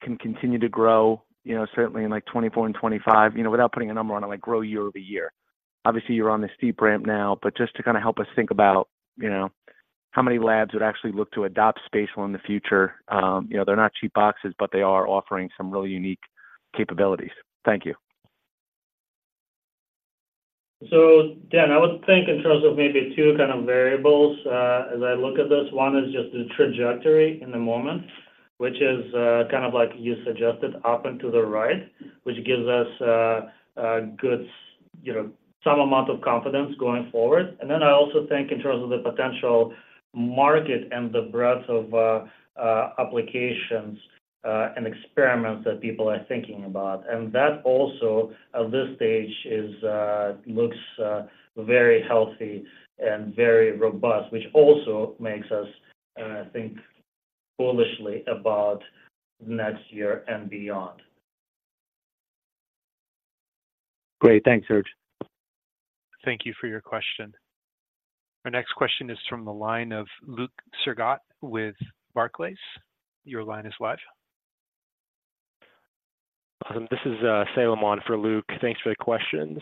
can continue to grow, you know, certainly in, like, 2024 and 2025, you know, without putting a number on it, like, grow year-over-year? Obviously, you're on this steep ramp now, but just to kind of help us think about, you know, how many labs would actually look to adopt spatial in the future. You know, they're not cheap boxes, but they are offering some really unique capabilities. Thank you. So Dan, I would think in terms of maybe two kind of variables, as I look at this. One is just the trajectory in the moment, which is kind of like you suggested, up and to the right, which gives us good, you know, some amount of confidence going forward. And then I also think in terms of the potential market and the breadth of applications and experiments that people are thinking about. And that also, at this stage, looks very healthy and very robust, which also makes us think bullishly about next year and beyond. Great. Thanks, Serge. Thank you for your question. Our next question is from the line of Luke Sergott with Barclays. Your line is live. Awesome. This is, Salem on for Luke. Thanks for the questions.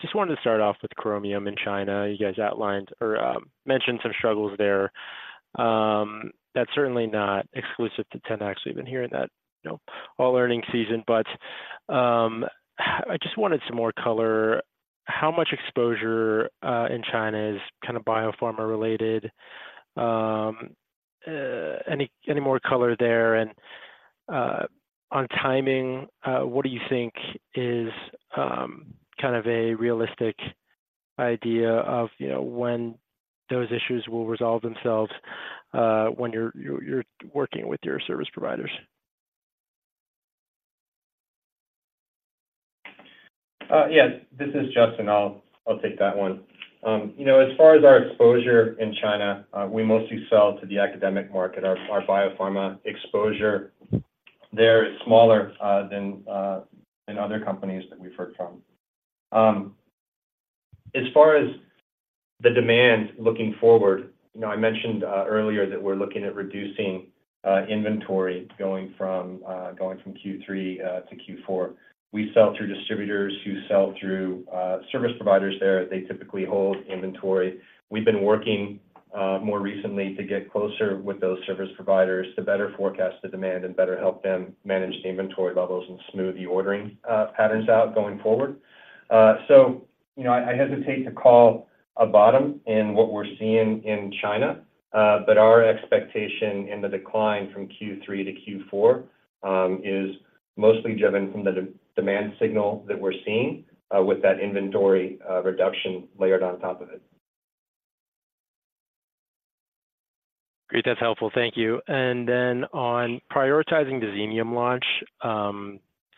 Just wanted to start off with Chromium in China. You guys outlined or, mentioned some struggles there. That's certainly not exclusive to 10x. We've been hearing that, you know, all earnings season. But, I just wanted some more color. How much exposure, in China is kind of biopharma related? Any, any more color there? And, on timing, what do you think is, kind of a realistic idea of, you know, when those issues will resolve themselves, when you're, you're, you're working with your service providers? Yes, this is Justin. I'll take that one. You know, as far as our exposure in China, we mostly sell to the academic market. Our biopharma exposure there is smaller than other companies that we've heard from. As far as the demand looking forward, you know, I mentioned earlier that we're looking at reducing inventory going from Q3 to Q4. We sell through distributors who sell through service providers there. They typically hold inventory. We've been working more recently to get closer with those service providers to better forecast the demand and better help them manage the inventory levels and smooth the ordering patterns out going forward. So, you know, I, I hesitate to call a bottom in what we're seeing in China, but our expectation in the decline from Q3 to Q4 is mostly driven from the demand signal that we're seeing with that inventory reduction layered on top of it. Great. That's helpful. Thank you. And then on prioritizing the Xenium launch,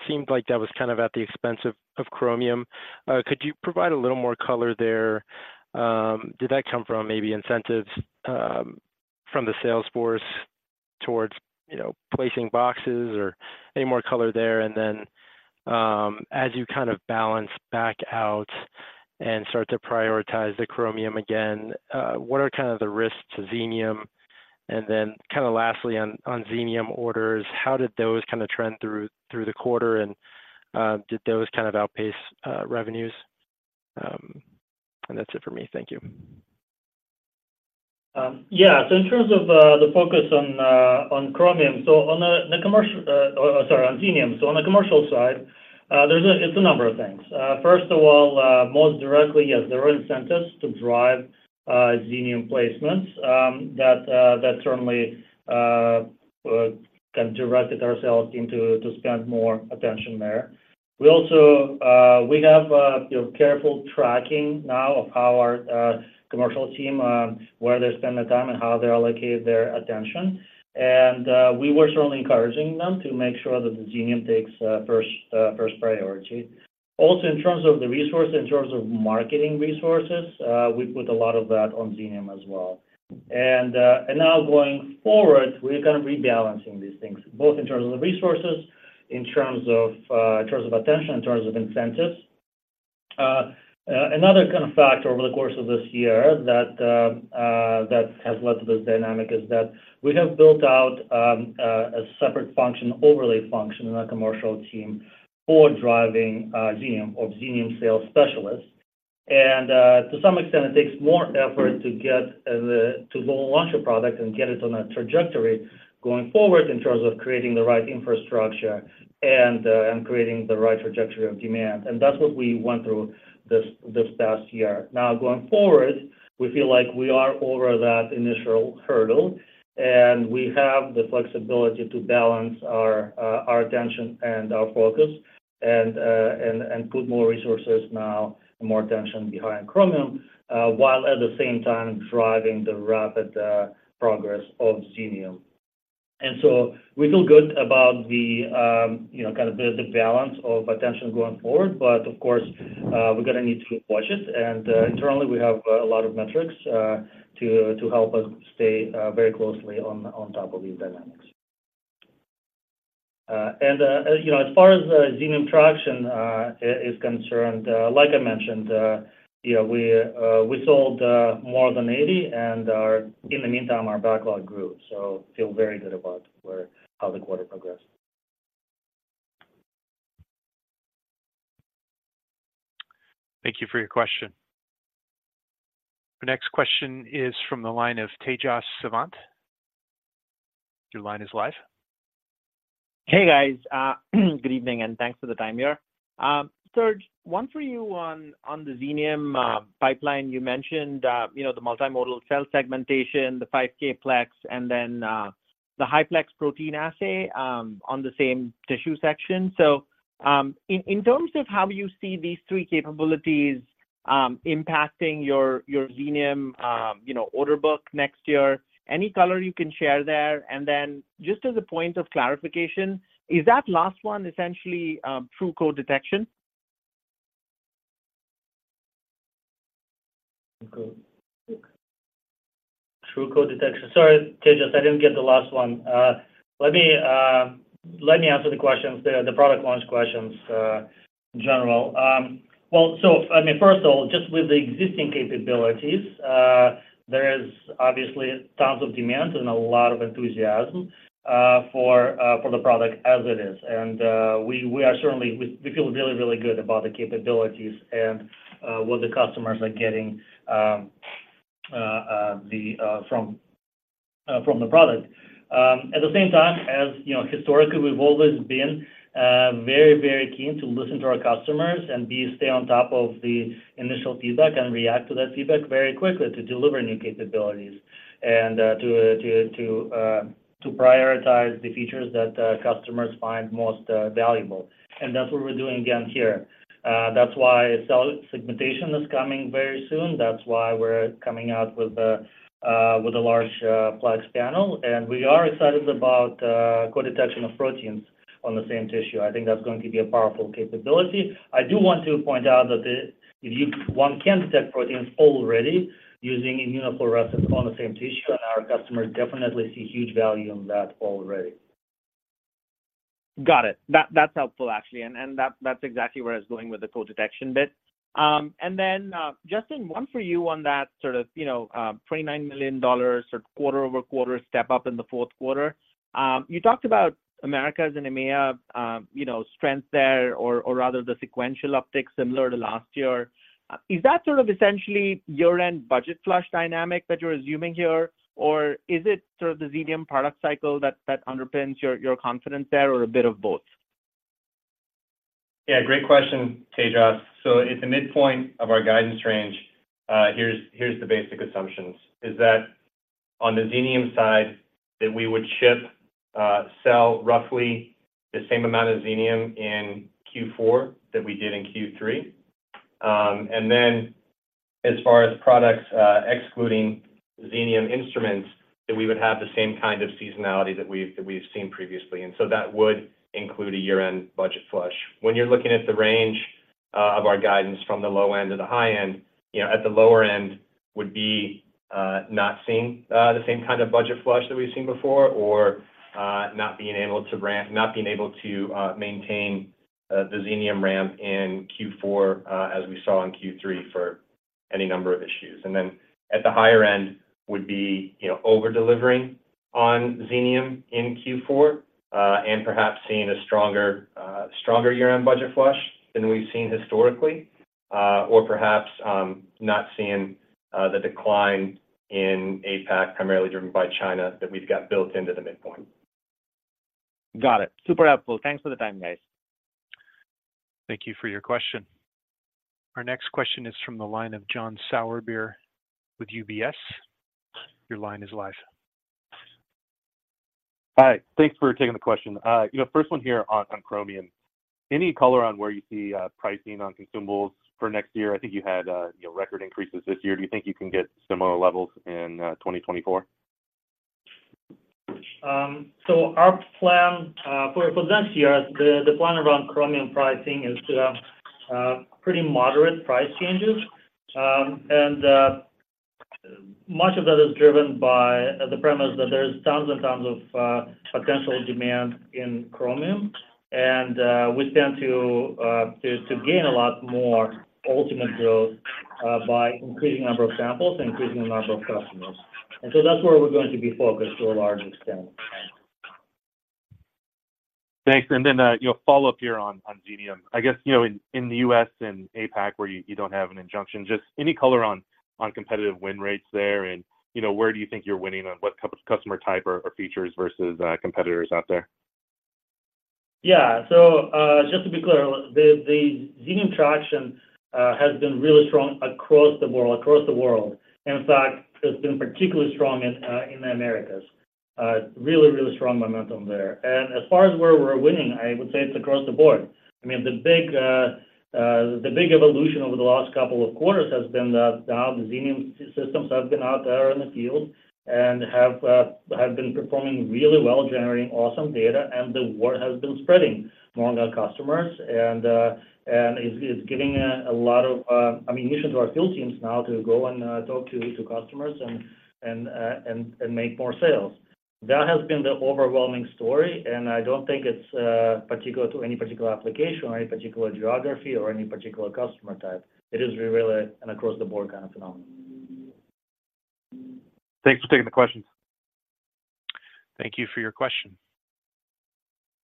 seemed like that was kind of at the expense of Chromium. Could you provide a little more color there? Did that come from maybe incentives from the sales force towards, you know, placing boxes or any more color there? And then, as you kind of balance back out and start to prioritize the Chromium again, what are kind of the risks to Xenium? And then kind of lastly, on Xenium orders, how did those kind of trend through the quarter, and did those kind of outpace revenues? And that's it for me. Thank you. Yeah. So in terms of the focus on Chromium, so on the commercial, sorry, on Xenium. So on the commercial side, there's, it's a number of things. First of all, most directly, yes, there are incentives to drive Xenium placements that certainly kind of directed our sales team to spend more attention there. We also... We have, you know, careful tracking now of how our commercial team, where they spend their time and how they allocate their attention. And we were certainly encouraging them to make sure that the Xenium takes first priority. Also, in terms of the resources, in terms of marketing resources, we put a lot of that on Xenium as well. Now going forward, we're kind of rebalancing these things, both in terms of the resources, in terms of attention, in terms of incentives. Another kind of factor over the course of this year that has led to this dynamic is that we have built out a separate function, overlay function in our commercial team for driving Xenium, of Xenium sales specialists. To some extent, it takes more effort to get the—to go launch a product and get it on a trajectory going forward in terms of creating the right infrastructure and creating the right trajectory of demand. That's what we went through this past year. Now, going forward, we feel like we are over that initial hurdle, and we have the flexibility to balance our attention and our focus and put more resources now and more attention behind Chromium, while at the same time driving the rapid progress of Xenium. And so we feel good about the, you know, kind of the balance of attention going forward. But of course, we're going to need to watch it, and internally, we have a lot of metrics to help us stay very closely on top of these dynamics. And you know, as far as the Xenium traction is concerned, like I mentioned, yeah, we sold more than 80, and in the meantime, our backlog grew, so feel very good about where-how the quarter progressed. Thank you for your question. The next question is from the line of Tejas Savant. Your line is live. Hey, guys, good evening, and thanks for the time here. Serge, one for you on the Xenium pipeline. You mentioned, you know, the multimodal cell segmentation, the 5K-plex, and then the high-plex protein assay on the same tissue section. So, in terms of how you see these three capabilities impacting your Xenium, you know, order book next year, any color you can share there? And then just as a point of clarification, is that last one essentially true co-detection? True co-detection. Sorry, Tejas, I didn't get the last one. Let me, let me answer the questions there, the product launch questions, in general. Well, so I mean, first of all, just with the existing capabilities, there is obviously tons of demand and a lot of enthusiasm, for the product as it is. And, we, we are certainly. We, we feel really, really good about the capabilities and, what the customers are getting, from the product. At the same time, as you know, historically, we've always been very, very keen to listen to our customers and stay on top of the initial feedback and react to that feedback very quickly to deliver new capabilities, and to prioritize the features that customers find most valuable. And that's what we're doing again here. That's why cell segmentation is coming very soon. That's why we're coming out with a large plex panel, and we are excited about co-detection of proteins on the same tissue. I think that's going to be a powerful capability. I do want to point out that one can detect proteins already using immunofluorescence on the same tissue, and our customers definitely see huge value in that already. Got it. That, that's helpful, actually, and, and that's, that's exactly where I was going with the co-detection bit. And then, Justin, one for you on that sort of, you know, $29 million or quarter-over-quarter step up in the Q4. You talked about Americas and EMEA, you know, strength there, or, or rather the sequential uptick similar to last year. Is that sort of essentially year-end budget flush dynamic that you're assuming here? Or is it sort of the Xenium product cycle that, that underpins your, your confidence there, or a bit of both? Yeah, great question, Tejas. So at the midpoint of our guidance range, here's the basic assumptions, is that on the Xenium side, that we would ship, sell roughly the same amount of Xenium in Q4 that we did in Q3. And then as far as products, excluding Xenium instruments, that we would have the same kind of seasonality that we've seen previously, and so that would include a year-end budget flush. When you're looking at the range of our guidance from the low end to the high end, you know, at the lower end would be not seeing the same kind of budget flush that we've seen before or not being able to ramp—not being able to maintain the Xenium ramp in Q4 as we saw in Q3 for any number of issues. And then at the higher end would be, you know, over-delivering on Xenium in Q4, and perhaps seeing a stronger, stronger year-end budget flush than we've seen historically, or perhaps not seeing the decline in APAC, primarily driven by China, that we've got built into the midpoint. Got it. Super helpful. Thanks for the time, guys. Thank you for your question. Our next question is from the line of John Sourbeer with UBS. Your line is live. Hi, thanks for taking the question. You know, first one here on Chromium. Any color on where you see pricing on consumables for next year? I think you had, you know, record increases this year. Do you think you can get similar levels in 2024? So our plan for this year, the plan around Chromium pricing is to have pretty moderate price changes. And much of that is driven by the premise that there's tons and tons of potential demand in Chromium, and we stand to gain a lot more ultimate growth by increasing the number of samples and increasing the number of customers. So that's where we're going to be focused to a large extent. Thanks. And then, you know, follow-up here on Xenium. I guess, you know, in the U.S. and APAC, where you don't have an injunction, just any color on competitive win rates there, and, you know, where do you think you're winning on what customer type or features versus competitors out there? Yeah. So, just to be clear, the Xenium traction has been really strong across the world, across the world. In fact, it's been particularly strong in the Americas. Really, really strong momentum there. And as far as where we're winning, I would say it's across the board. I mean, the big evolution over the last couple of quarters has been that now the Xenium systems have been out there in the field and have been performing really well, generating awesome data, and the word has been spreading among our customers and is giving a lot of ammunition to our field teams now to go and talk to customers and make more sales. That has been the overwhelming story, and I don't think it's particular to any particular application or any particular geography or any particular customer type. It is really an across-the-board kind of phenomenon. Thanks for taking the questions. Thank you for your question.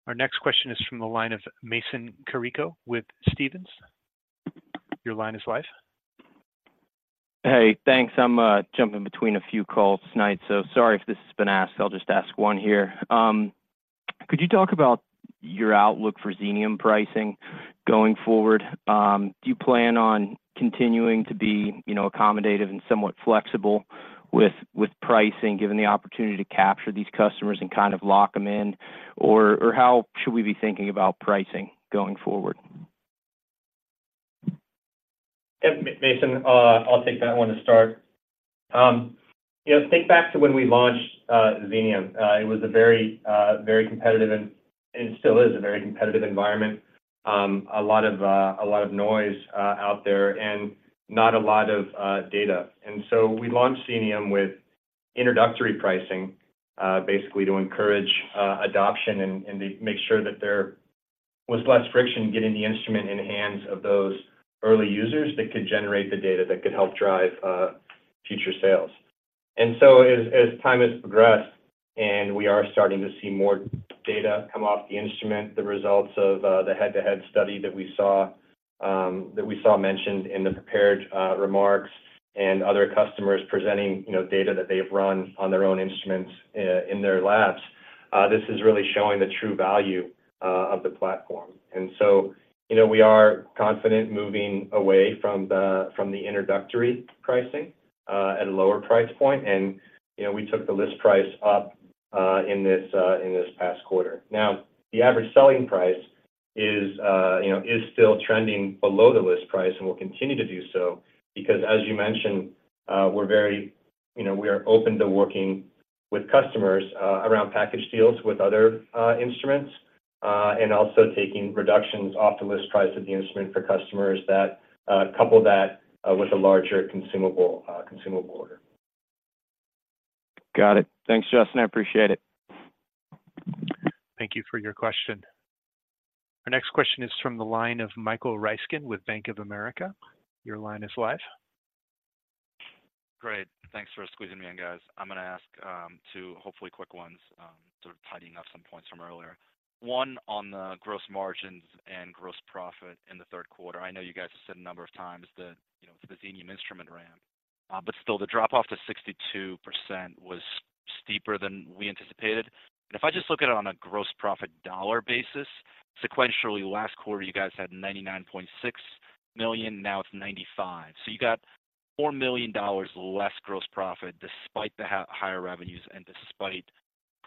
Our next question is from the line of Mason Carrico with Stephens. Your line is live. Hey, thanks. I'm jumping between a few calls tonight, so sorry if this has been asked. I'll just ask one here. Could you talk about your outlook for Xenium pricing going forward? Do you plan on continuing to be, you know, accommodative and somewhat flexible with pricing, given the opportunity to capture these customers and kind of lock them in? Or how should we be thinking about pricing going forward? Yeah, Mason, I'll take that one to start. You know, think back to when we launched Xenium. It was a very, very competitive and still is a very competitive environment. A lot of noise out there and not a lot of data. And so we launched Xenium with introductory pricing, basically to encourage adoption and make sure that there was less friction getting the instrument in the hands of those early users that could generate the data, that could help drive future sales. As time has progressed and we are starting to see more data come off the instrument, the results of the head-to-head study that we saw mentioned in the prepared remarks and other customers presenting, you know, data that they've run on their own instruments in their labs, this is really showing the true value of the platform. And so, you know, we are confident moving away from the introductory pricing at a lower price point. And, you know, we took the list price up in this past quarter. Now, the average selling price is, you know, still trending below the list price and will continue to do so, because as you mentioned, we're very, you know, we are open to working with customers around package deals with other instruments, and also taking reductions off the list price of the instrument for customers that couple that with a larger consumable consumable order. Got it. Thanks, Justin. I appreciate it. Thank you for your question. Our next question is from the line of Michael Ryskin with Bank of America. Your line is live. Great. Thanks for squeezing me in, guys. I'm going to ask 2 hopefully quick ones, sort of tidying up some points from earlier. One, on the gross margins and gross profit in the Q3. I know you guys have said a number of times that, you know, the Xenium instrument ramp, but still the drop off to 62% was steeper than we anticipated. And if I just look at it on a gross profit dollar basis, sequentially, last quarter, you guys had $99.6 million, now it's $95 million. So you got $4 million less gross profit despite the higher revenues and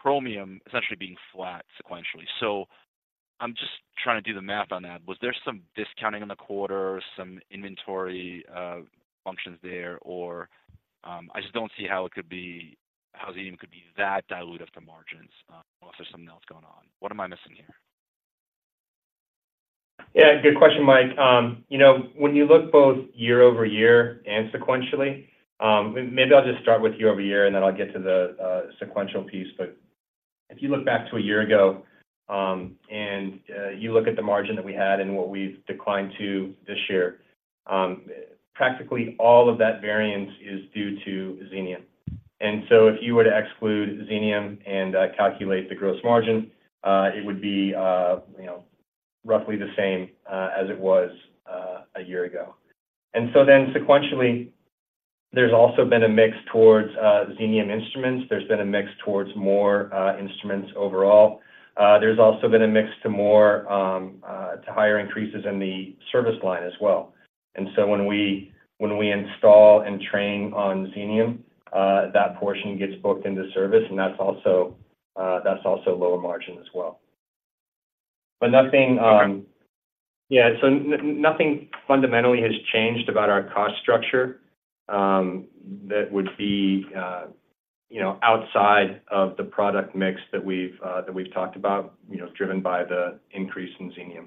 despite Chromium essentially being flat sequentially. So I'm just trying to do the math on that. Was there some discounting in the quarter, some inventory functions there, or, I just don't see how it could be, how Xenium could be that dilutive to margins, unless there's something else going on. What am I missing here? Yeah, good question, Mike. You know, when you look both year-over-year and sequentially, maybe I'll just start with year-over-year, and then I'll get to the sequential piece. But if you look back to a year ago, and you look at the margin that we had and what we've declined to this year, practically all of that variance is due to Xenium. And so if you were to exclude Xenium and calculate the gross margin, it would be, you know, roughly the same as it was a year ago. And so then sequentially, there's also been a mix towards Xenium instruments. There's been a mix towards more instruments overall. There's also been a mix to more to higher increases in the service line as well. And so when we install and train on Xenium, that portion gets booked into service, and that's also lower margin as well. But nothing, Okay. Yeah, so nothing fundamentally has changed about our cost structure, that would be, you know, outside of the product mix that we've talked about, you know, driven by the increase in Xenium.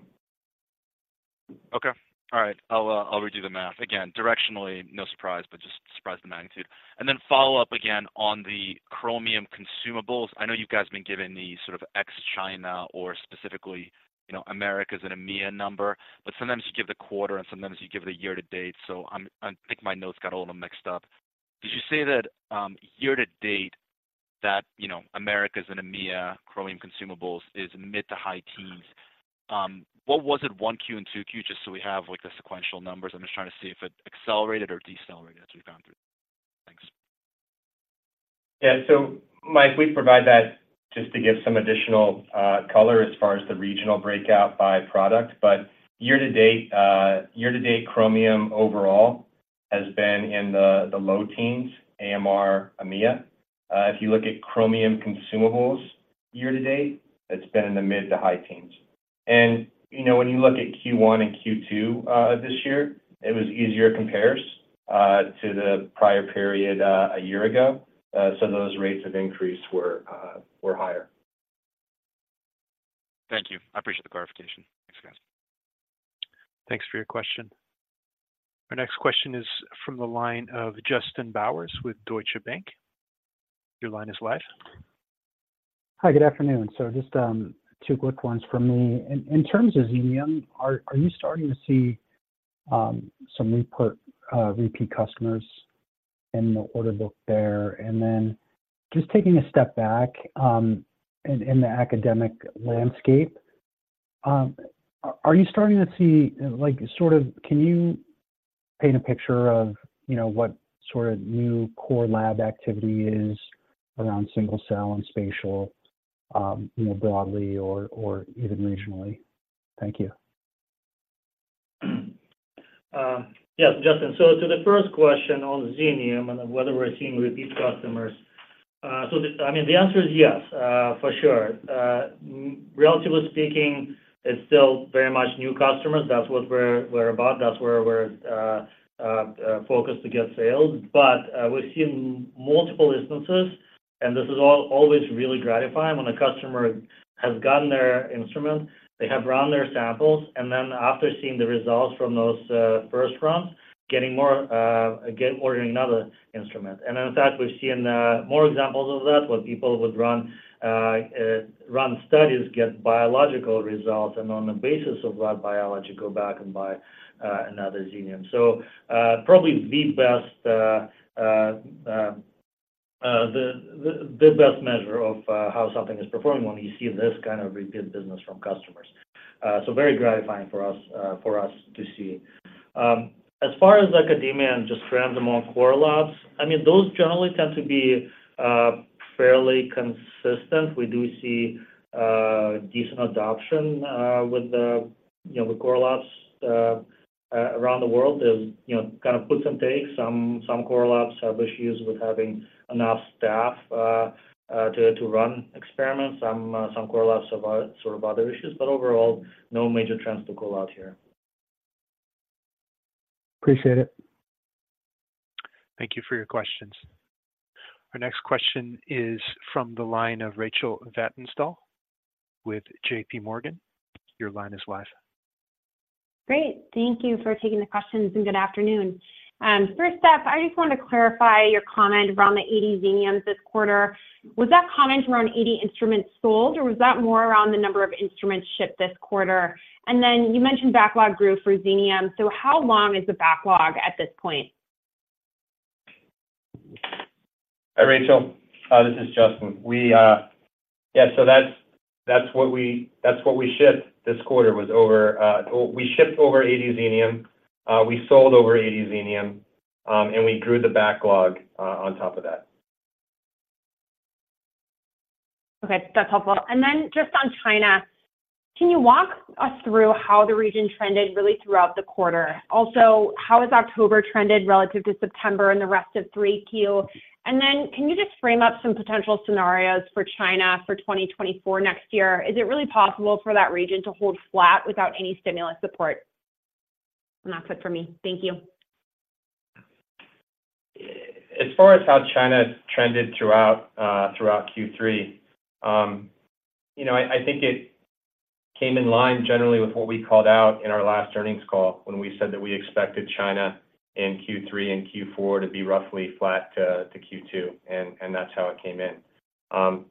Okay. All right. I'll redo the math. Again, directionally, no surprise, but just surprised the magnitude. And then follow up again on the Chromium consumables. I know you guys have been given the sort of ex-China or specifically, you know, Americas and EMEA number, but sometimes you give the quarter and sometimes you give the year to date, so I'm, I think my notes got a little mixed up. Did you say that year to date that, you know, Americas and EMEA, Chromium consumables is mid to high teens? What was it 1Q and 2Q, just so we have, like, the sequential numbers? I'm just trying to see if it accelerated or decelerated as we've gone through. Thanks. Yeah. So Mike, we provide that just to give some additional color as far as the regional breakout by product, but year to date, year to date, Chromium overall has been in the low teens, AMR, EMEA. If you look at Chromium consumables year to date, it's been in the mid to high teens. And, you know, when you look at Q1 and Q2 this year, it was easier compares to the prior period a year ago. So those rates of increase were higher. Thank you. I appreciate the clarification. Thanks, guys. Thanks for your question. Our next question is from the line of Justin Bowers with Deutsche Bank. Your line is live. Hi, good afternoon. So just two quick ones for me. In terms of Xenium, are you starting to see some repeat customers in the order book there? And then just taking a step back, in the academic landscape, are you starting to see, like, sort of, can you paint a picture of, you know, what sort of new core lab activity is around single-cell and spatial, you know, broadly or even regionally? Thank you. Yes, Justin. So to the first question on Xenium and whether we're seeing repeat customers, I mean, the answer is yes, for sure. Relatively speaking, it's still very much new customers. That's what we're about. That's where we're focused to get sales. But we've seen multiple instances, and this is always really gratifying when a customer has gotten their instrument, they have run their samples, and then after seeing the results from those first runs, getting more, again, ordering another instrument. And in fact, we've seen more examples of that, where people would run studies, get biological results, and on the basis of that biology, go back and buy another Xenium. So probably the best... The best measure of how something is performing when you see this kind of repeat business from customers. So very gratifying for us, for us to see. As far as academia and just trends among core labs, I mean, those generally tend to be fairly consistent. We do see decent adoption with the, you know, with core labs around the world. There's, you know, kind of puts and takes. Some core labs have issues with having enough staff to run experiments. Some core labs have sort of other issues, but overall, no major trends to call out here. Appreciate it. Thank you for your questions. Our next question is from the line of Rachel Vatnsdal with J.P. Morgan. Your line is live. Great. Thank you for taking the questions, and good afternoon. First up, I just wanted to clarify your comment around the 80 Xenium this quarter. Was that comment around 80 instruments sold, or was that more around the number of instruments shipped this quarter? And then you mentioned backlog grew for Xenium, so how long is the backlog at this point? Hi, Rachel. This is Justin. Yeah, so that's what we shipped this quarter: over 80 Xenium. We sold over 80 Xenium, and we grew the backlog on top of that. Okay, that's helpful. And then just on China, can you walk us through how the region trended really throughout the quarter? Also, how has October trended relative to September and the rest of 3Q? And then can you just frame up some potential scenarios for China for 2024 next year? Is it really possible for that region to hold flat without any stimulus support? And that's it for me. Thank you. As far as how China trended throughout Q3, you know, I think it came in line generally with what we called out in our last earnings call, when we said that we expected China in Q3 and Q4 to be roughly flat to Q2, and that's how it came in.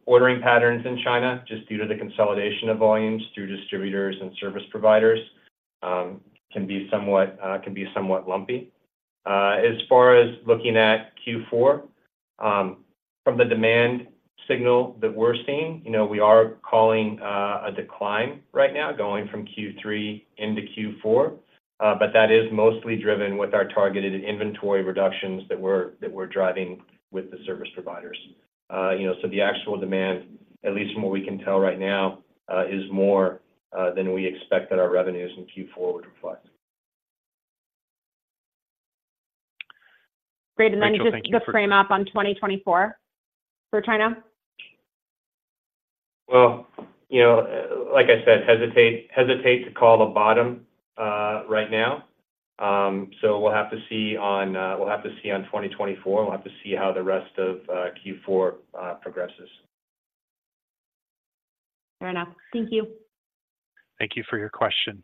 Ordering patterns in China, just due to the consolidation of volumes through distributors and service providers, can be somewhat lumpy. As far as looking at Q4, from the demand signal that we're seeing, you know, we are calling a decline right now going from Q3 into Q4, but that is mostly driven with our targeted inventory reductions that we're driving with the service providers. You know, so the actual demand, at least from what we can tell right now, is more than we expect that our revenues in Q4 would reflect. Great. Rachel, just- And then just the frame up on 2024 for China. Well, you know, like I said, hesitate, hesitate to call the bottom, right now. So we'll have to see on, we'll have to see on 2024. We'll have to see how the rest of Q4 progresses. Fair enough. Thank you. Thank you for your question.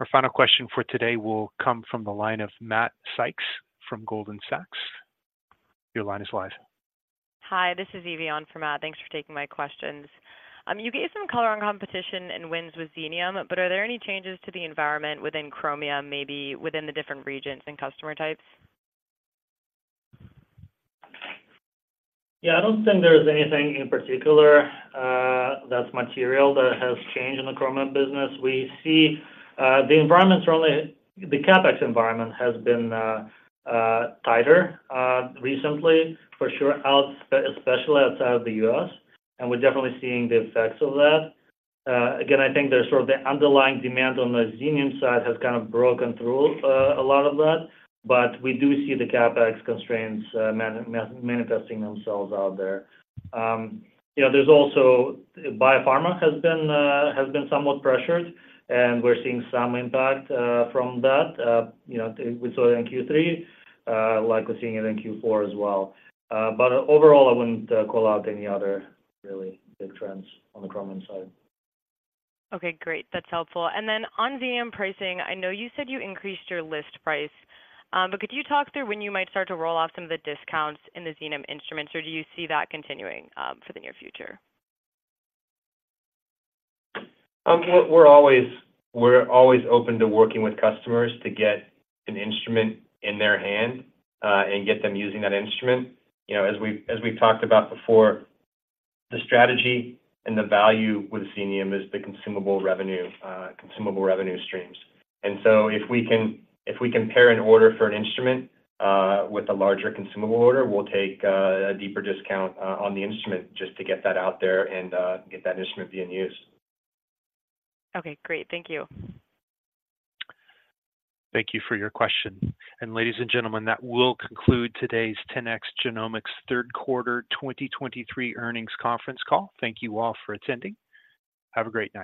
Our final question for today will come from the line of Matt Sykes from Goldman Sachs. Your line is live. Hi, this is Eve from Matt. Thanks for taking my questions. You gave some color on competition and wins with Xenium, but are there any changes to the environment within Chromium, maybe within the different regions and customer types? Yeah, I don't think there is anything in particular that's material that has changed in the Chromium business. We see the environment's really the CapEx environment has been tighter recently, for sure, especially outside of the U.S., and we're definitely seeing the effects of that. Again, I think there's sort of the underlying demand on the Xenium side has kind of broken through a lot of that, but we do see the CapEx constraints manifesting themselves out there. You know, there's also biopharma has been somewhat pressured, and we're seeing some impact from that. You know, we saw it in Q3 likely seeing it in Q4 as well. But overall, I wouldn't call out any other really big trends on the Chromium side. Okay, great. That's helpful. And then on Xenium pricing, I know you said you increased your list price, but could you talk through when you might start to roll out some of the discounts in the Xenium instruments, or do you see that continuing, for the near future? We're always open to working with customers to get an instrument in their hand and get them using that instrument. You know, as we've talked about before, the strategy and the value with Xenium is the consumable revenue, consumable revenue streams. And so if we pair an order for an instrument with a larger consumable order, we'll take a deeper discount on the instrument just to get that out there and get that instrument being used. Okay, great. Thank you. Thank you for your question. Ladies and gentlemen, that will conclude today's 10x Genomics Q3 2023 Earnings Conference Call. Thank you all for attending. Have a great night.